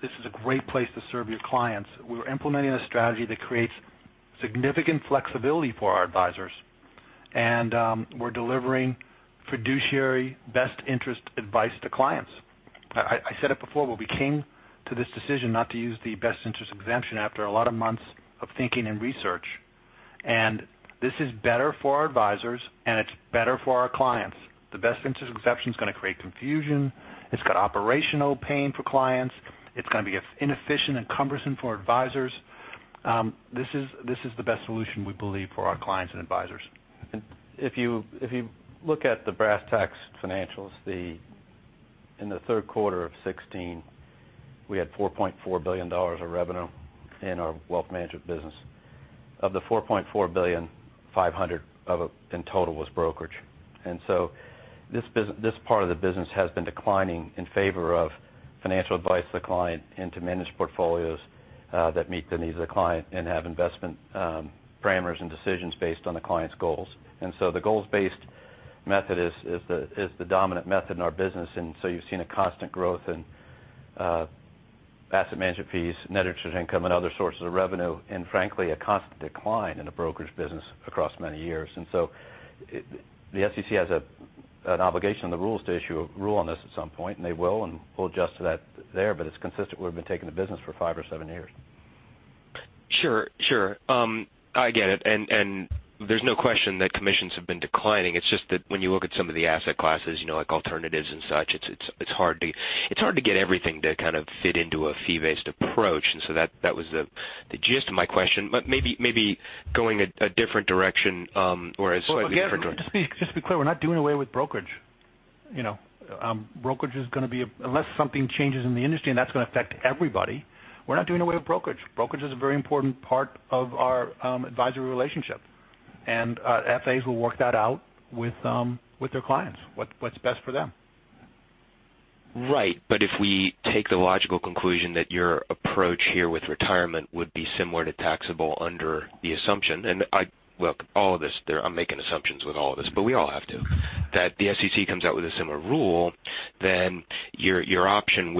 This is a great place to serve your clients. We're implementing a strategy that creates significant flexibility for our advisors, and we're delivering fiduciary best interest advice to clients. I said it before, we came to this decision not to use the Best Interests Exemption after a lot of months of thinking and research. This is better for our advisors, and it's better for our clients. The Best Interests Exemption is going to create confusion. It's got operational pain for clients. It's going to be inefficient and cumbersome for advisors. This is the best solution, we believe, for our clients and advisors. If you look at the brass tacks financials, in the third quarter of 2016, we had $4.4 billion of revenue in our wealth management business. Of the $4.4 billion, $500 in total was brokerage. This part of the business has been declining in favor of financial advice to the client into managed portfolios that meet the needs of the client and have investment parameters and decisions based on the client's goals. The goals-based method is the dominant method in our business. You've seen a constant growth in asset management fees, net interest income, and other sources of revenue, and frankly, a constant decline in the brokerage business across many years. The SEC has an obligation in the rules to issue a rule on this at some point, and they will, and we'll adjust to that there. It's consistent with where we've been taking the business for five or seven years. Sure. I get it. There's no question that commissions have been declining. It's just that when you look at some of the asset classes, like alternatives and such, it's hard to get everything to kind of fit into a fee-based approach. That was the gist of my question. Maybe going a different direction. Well, again, just to be clear, we're not doing away with brokerage. Unless something changes in the industry, and that's going to affect everybody, we're not doing away with brokerage. Brokerage is a very important part of our advisory relationship. FAs will work that out with their clients, what's best for them. Right. If we take the logical conclusion that your approach here with retirement would be similar to taxable under the assumption, look, I'm making assumptions with all of this, we all have to, that the SEC comes out with a similar rule, then your option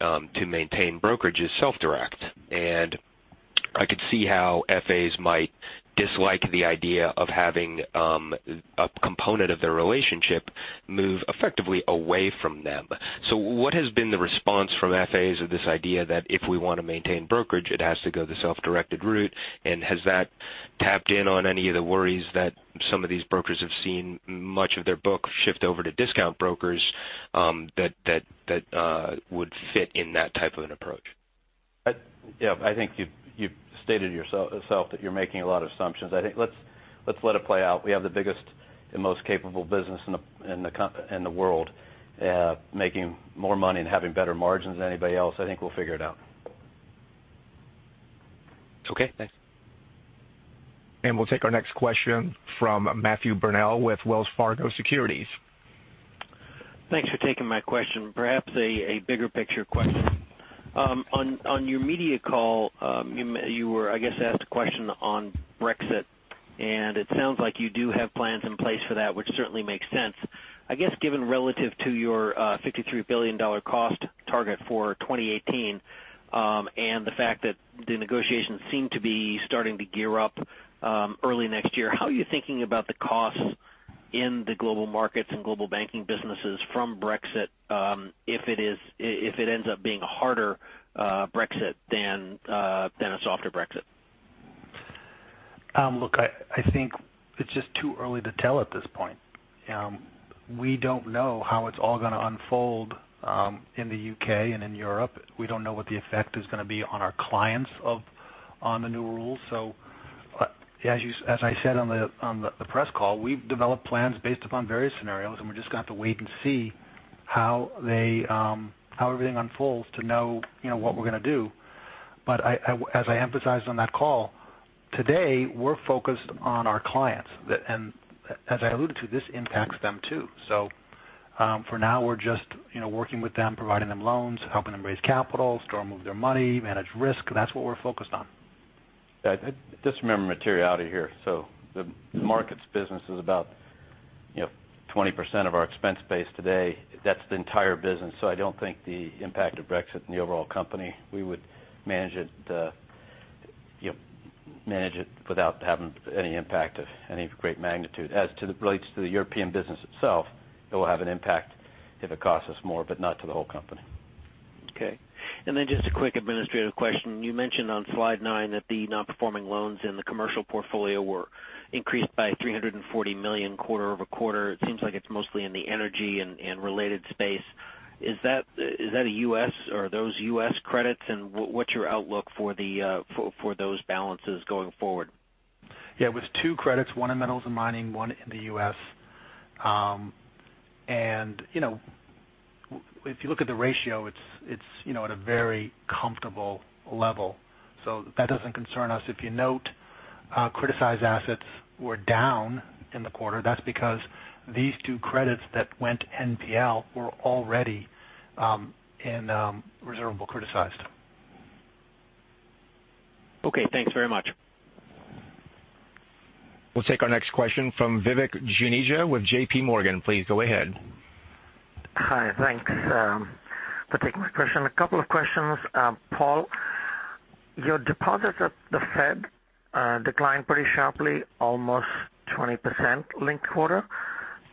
to maintain brokerage is self-direct. I could see how FAs might dislike the idea of having a component of their relationship move effectively away from them. What has been the response from FAs of this idea that if we want to maintain brokerage, it has to go the self-directed route? Has that tapped in on any of the worries that some of these brokers have seen much of their book shift over to discount brokers that would fit in that type of an approach? Yeah. I think you've stated yourself that you're making a lot of assumptions. I think let's let it play out. We have the biggest and most capable business in the world making more money and having better margins than anybody else. I think we'll figure it out. Okay, thanks. We'll take our next question from Matthew Burnell with Wells Fargo Securities. Thanks for taking my question. Perhaps a bigger picture question. On your media call, you were, I guess, asked a question on Brexit, and it sounds like you do have plans in place for that, which certainly makes sense. I guess given relative to your $53 billion cost target for 2018, and the fact that the negotiations seem to be starting to gear up early next year, how are you thinking about the costs in the Global Markets and Global Banking businesses from Brexit if it ends up being a harder Brexit than a softer Brexit? Look, I think it's just too early to tell at this point. We don't know how it's all going to unfold in the U.K. and in Europe. We don't know what the effect is going to be on our clients on the new rules. As I said on the press call, we've developed plans based upon various scenarios, and we're just going to have to wait and see how everything unfolds to know what we're going to do. As I emphasized on that call, today, we're focused on our clients. As I alluded to, this impacts them, too. For now, we're just working with them, providing them loans, helping them raise capital, store and move their money, manage risk. That's what we're focused on. Just remember materiality here. The markets business is about 20% of our expense base today. That's the entire business. I don't think the impact of Brexit in the overall company, we would manage it without having any impact of any great magnitude. As it relates to the European business itself, it will have an impact if it costs us more, but not to the whole company. Okay. Just a quick administrative question. You mentioned on slide nine that the non-performing loans in the commercial portfolio were increased by $340 million quarter-over-quarter. It seems like it's mostly in the energy and related space. Are those U.S. credits, and what's your outlook for those balances going forward? Yeah. It was two credits, one in metals and mining, one in the U.S. If you look at the ratio, it's at a very comfortable level. That doesn't concern us. If you note, criticized assets were down in the quarter. That's because these two credits that went NPL were already in reservable criticized. Okay, thanks very much. We'll take our next question from Vivek Juneja with JP Morgan. Please go ahead. Hi, thanks for taking my question. A couple of questions. Paul, your deposits at the Fed declined pretty sharply, almost 20% linked quarter,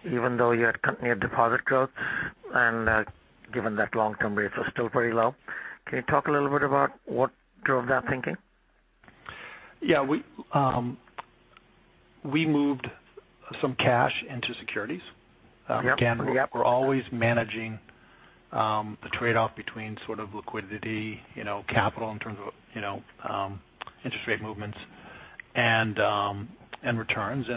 even though you had continued deposit growth and given that long-term rates are still very low. Can you talk a little bit about what drove that thinking? Yeah. We moved some cash into securities. Yep. Again, we're always managing the trade-off between sort of liquidity, capital in terms of interest rate movements and returns.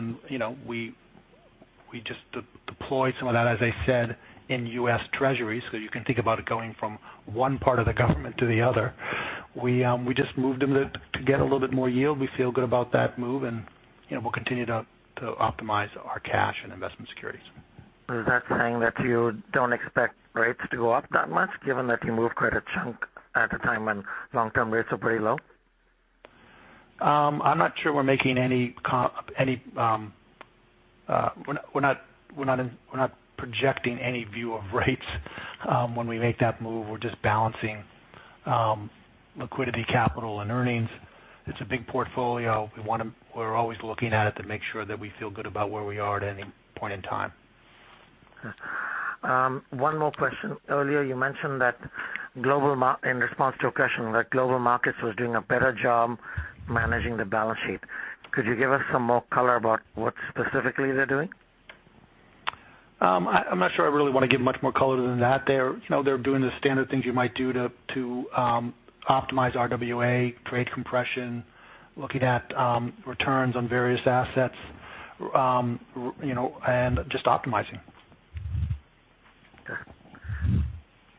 We just deployed some of that, as I said, in U.S. Treasuries. You can think about it going from one part of the government to the other. We just moved them to get a little bit more yield. We feel good about that move, and we'll continue to optimize our cash and investment securities. Is that saying that you don't expect rates to go up that much, given that you moved quite a chunk at a time when long-term rates are pretty low? I'm not sure we're not projecting any view of rates when we make that move. We're just balancing liquidity, capital, and earnings. It's a big portfolio. We're always looking at it to make sure that we feel good about where we are at any point in time. One more question. Earlier you mentioned in response to a question that Global Markets was doing a better job managing the balance sheet. Could you give us some more color about what specifically they're doing? I'm not sure I really want to give much more color than that. They're doing the standard things you might do to optimize RWA, trade compression, looking at returns on various assets, and just optimizing. Sure.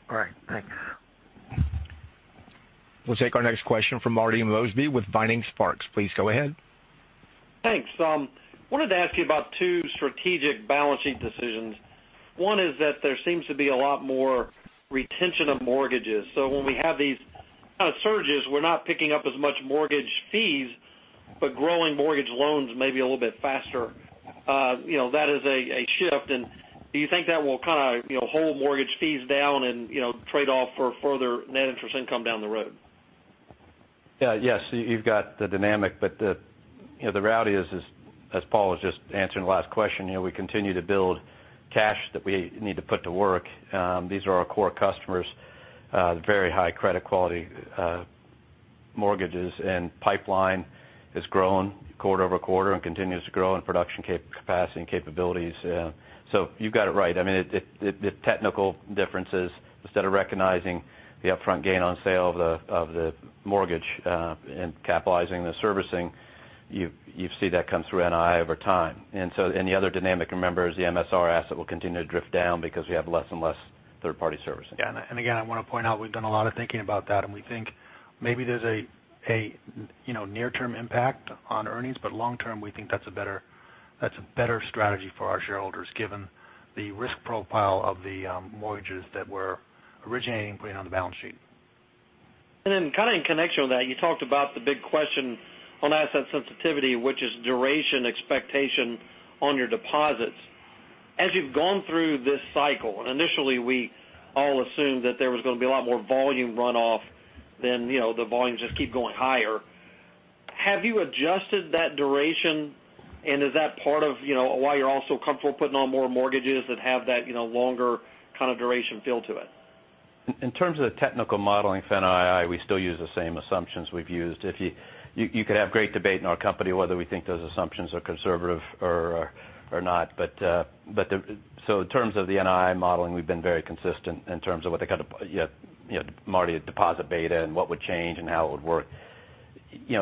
All right. Thanks. We'll take our next question from Marty Mosby with Vining Sparks. Please go ahead. Thanks. Wanted to ask you about two strategic balance sheet decisions. One is that there seems to be a lot more retention of mortgages. When we have these kind of surges, we're not picking up as much mortgage fees, but growing mortgage loans may be a little bit faster. That is a shift. Do you think that will kind of hold mortgage fees down and trade off for further net interest income down the road? Yes. You've got the dynamic, but the reality is, as Paul was just answering the last question, we continue to build cash that we need to put to work. These are our core customers, very high credit quality mortgages. Pipeline has grown quarter-over-quarter and continues to grow in production capacity and capabilities. You've got it right. I mean, the technical difference is instead of recognizing the upfront gain on sale of the mortgage and capitalizing the servicing, you see that come through NII over time. The other dynamic, remember, is the MSR asset will continue to drift down because we have less and less third-party servicing. Yeah. Again, I want to point out we've done a lot of thinking about that, and we think maybe there's a near-term impact on earnings. Long term, we think that's a better strategy for our shareholders given the risk profile of the mortgages that we're originating and putting on the balance sheet. Then kind of in connection with that, you talked about the big question on asset sensitivity, which is duration expectation on your deposits. As you've gone through this cycle, and initially we all assumed that there was going to be a lot more volume runoff than the volumes just keep going higher. Have you adjusted that duration? Is that part of why you're also comfortable putting on more mortgages that have that longer kind of duration feel to it? In terms of the technical modeling for NII, we still use the same assumptions we've used. You could have great debate in our company whether we think those assumptions are conservative or not. In terms of the NII modeling, we've been very consistent in terms of what they kind of, Marty, a deposit beta and what would change and how it would work.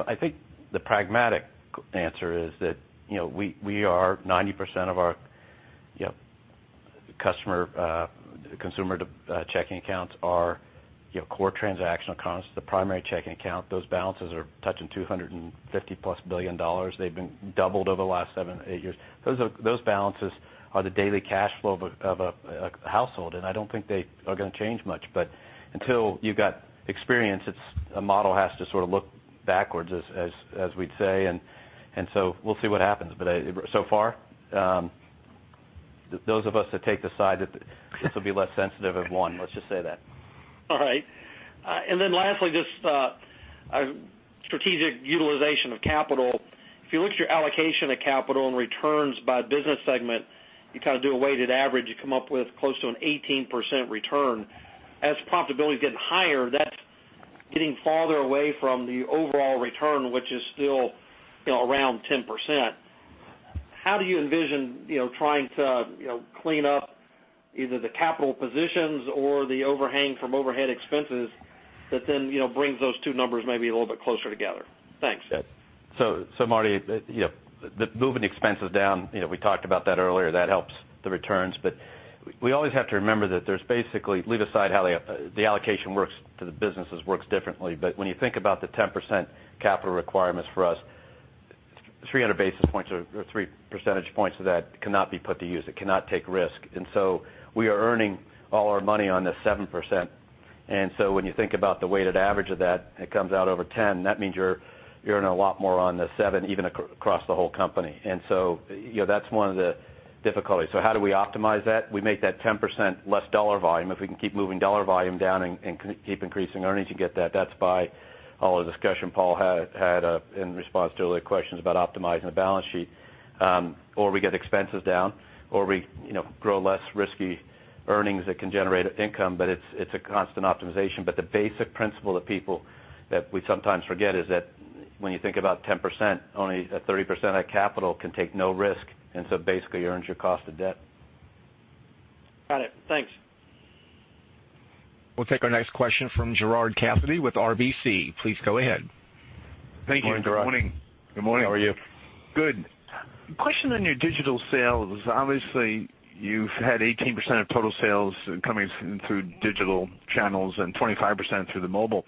I think the pragmatic answer is that 90% of our consumer checking accounts are core transactional accounts. The primary checking account, those balances are touching $250-plus billion. They've been doubled over the last seven, eight years. Those balances are the daily cash flow of a household, and I don't think they are going to change much. Until you've got experience, a model has to sort of look backwards, as we'd say, and so we'll see what happens. So far, those of us that take the side that this will be less sensitive have won, let's just say that. Lastly, just strategic utilization of capital. If you look at your allocation of capital and returns by business segment, you kind of do a weighted average, you come up with close to an 18% return. As profitability is getting higher, that's getting farther away from the overall return, which is still around 10%. How do you envision trying to clean up either the capital positions or the overhang from overhead expenses that then brings those two numbers maybe a little bit closer together? Thanks. Marty, moving the expenses down, we talked about that earlier. That helps the returns. We always have to remember that there's basically, leave aside how the allocation works for the businesses works differently. When you think about the 10% capital requirements for us 300 basis points or three percentage points of that cannot be put to use. It cannot take risk. We are earning all our money on the 7%. When you think about the weighted average of that, it comes out over 10. That means you're earning a lot more on the seven, even across the whole company. That's one of the difficulties. How do we optimize that? We make that 10% less dollar volume. If we can keep moving dollar volume down and keep increasing earnings, you get that. That's by all the discussion Paul had in response to earlier questions about optimizing the balance sheet. We get expenses down, or we grow less risky earnings that can generate income, but it's a constant optimization. The basic principle that we sometimes forget is that when you think about 10%, only 30% of that capital can take no risk, basically earns your cost of debt. Got it. Thanks. We'll take our next question from Gerard Cassidy with RBC. Please go ahead. Good morning, Gerard. Thank you. Good morning. Good morning. How are you? Good. Question on your digital sales. Obviously, you've had 18% of total sales coming through digital channels and 25% through the mobile.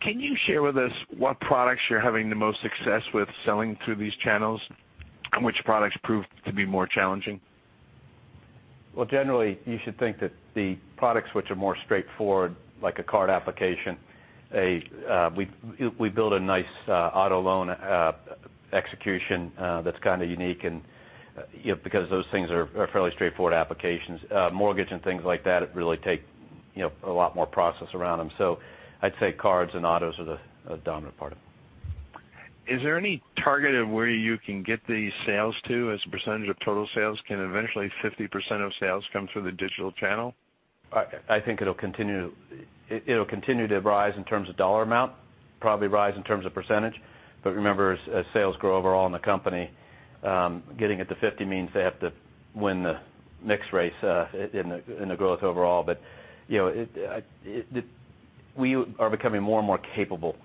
Can you share with us what products you're having the most success with selling through these channels, and which products prove to be more challenging? Well, generally, you should think that the products which are more straightforward, like a card application. We build a nice auto loan execution that's kind of unique and because those things are fairly straightforward applications. Mortgage and things like that really take a lot more process around them. I'd say cards and autos are the dominant part of it. Is there any target of where you can get these sales to as a percentage of total sales? Can eventually 50% of sales come through the digital channel? I think it'll continue to rise in terms of dollar amount, probably rise in terms of percentage. Remember, as sales grow overall in the company, getting it to 50 means they have to win the mix race in the growth overall. We are becoming more and more capable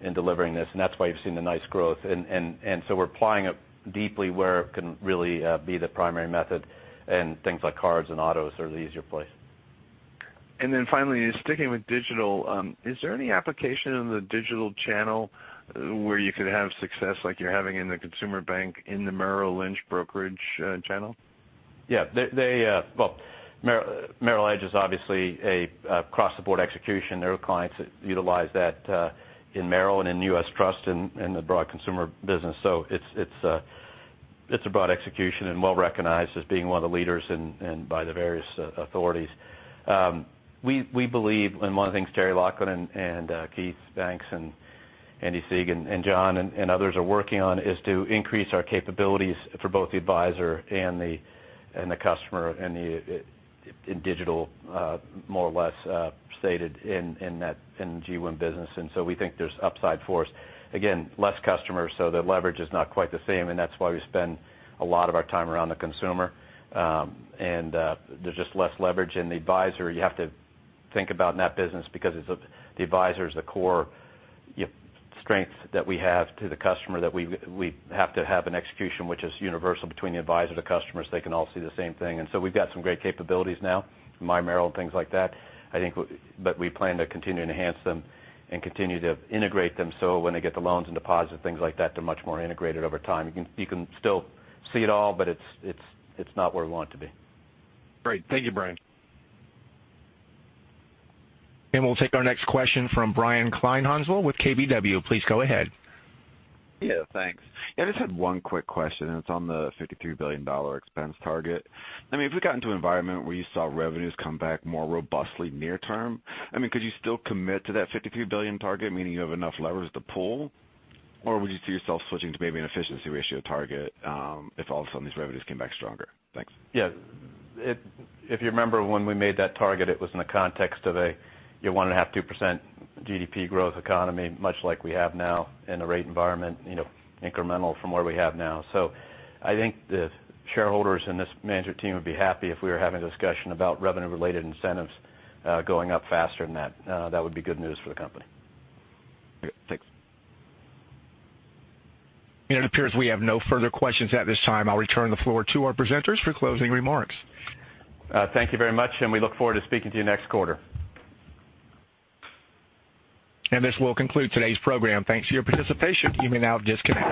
in delivering this, and that's why you've seen the nice growth. We're applying it deeply where it can really be the primary method, and things like cards and autos are the easier place. Finally, sticking with digital, is there any application in the digital channel where you could have success like you're having in the Consumer Banking in the Merrill Lynch brokerage channel? Well, Merrill Edge is obviously a cross-the-board execution. There are clients that utilize that in Merrill and in U.S. Trust in the broad consumer business. It's a broad execution and well-recognized as being one of the leaders by the various authorities. We believe, and one of the things Terry Laughlin and Keith Banks and Andy Sieg and John and others are working on is to increase our capabilities for both the advisor and the customer in digital, more or less stated in G1 business. We think there's upside for us. Again, less customers, so the leverage is not quite the same, and that's why we spend a lot of our time around the consumer. There's just less leverage in the advisor. You have to think about in that business because the advisor is the core strength that we have to the customer that we have to have an execution which is universal between the advisor, the customers, they can all see the same thing. We've got some great capabilities now, MyMerrill, things like that. We plan to continue to enhance them and continue to integrate them so when they get the loans and deposits, things like that, they're much more integrated over time. You can still see it all, but it's not where we want it to be. Great. Thank you, Brian. We'll take our next question from Brian Kleinhanzl with KBW. Please go ahead. Yeah, thanks. I just had one quick question, and it's on the $53 billion expense target. If we got into an environment where you saw revenues come back more robustly near term, could you still commit to that $53 billion target, meaning you have enough levers to pull? Or would you see yourself switching to maybe an efficiency ratio target if all of a sudden these revenues came back stronger? Thanks. Yeah. If you remember when we made that target, it was in the context of a 1.5%, 2% GDP growth economy, much like we have now, in a rate environment incremental from where we have now. I think the shareholders and this management team would be happy if we were having a discussion about revenue-related incentives going up faster than that. That would be good news for the company. Okay, thanks. It appears we have no further questions at this time. I'll return the floor to our presenters for closing remarks. Thank you very much, and we look forward to speaking to you next quarter. This will conclude today's program. Thanks for your participation. You may now disconnect.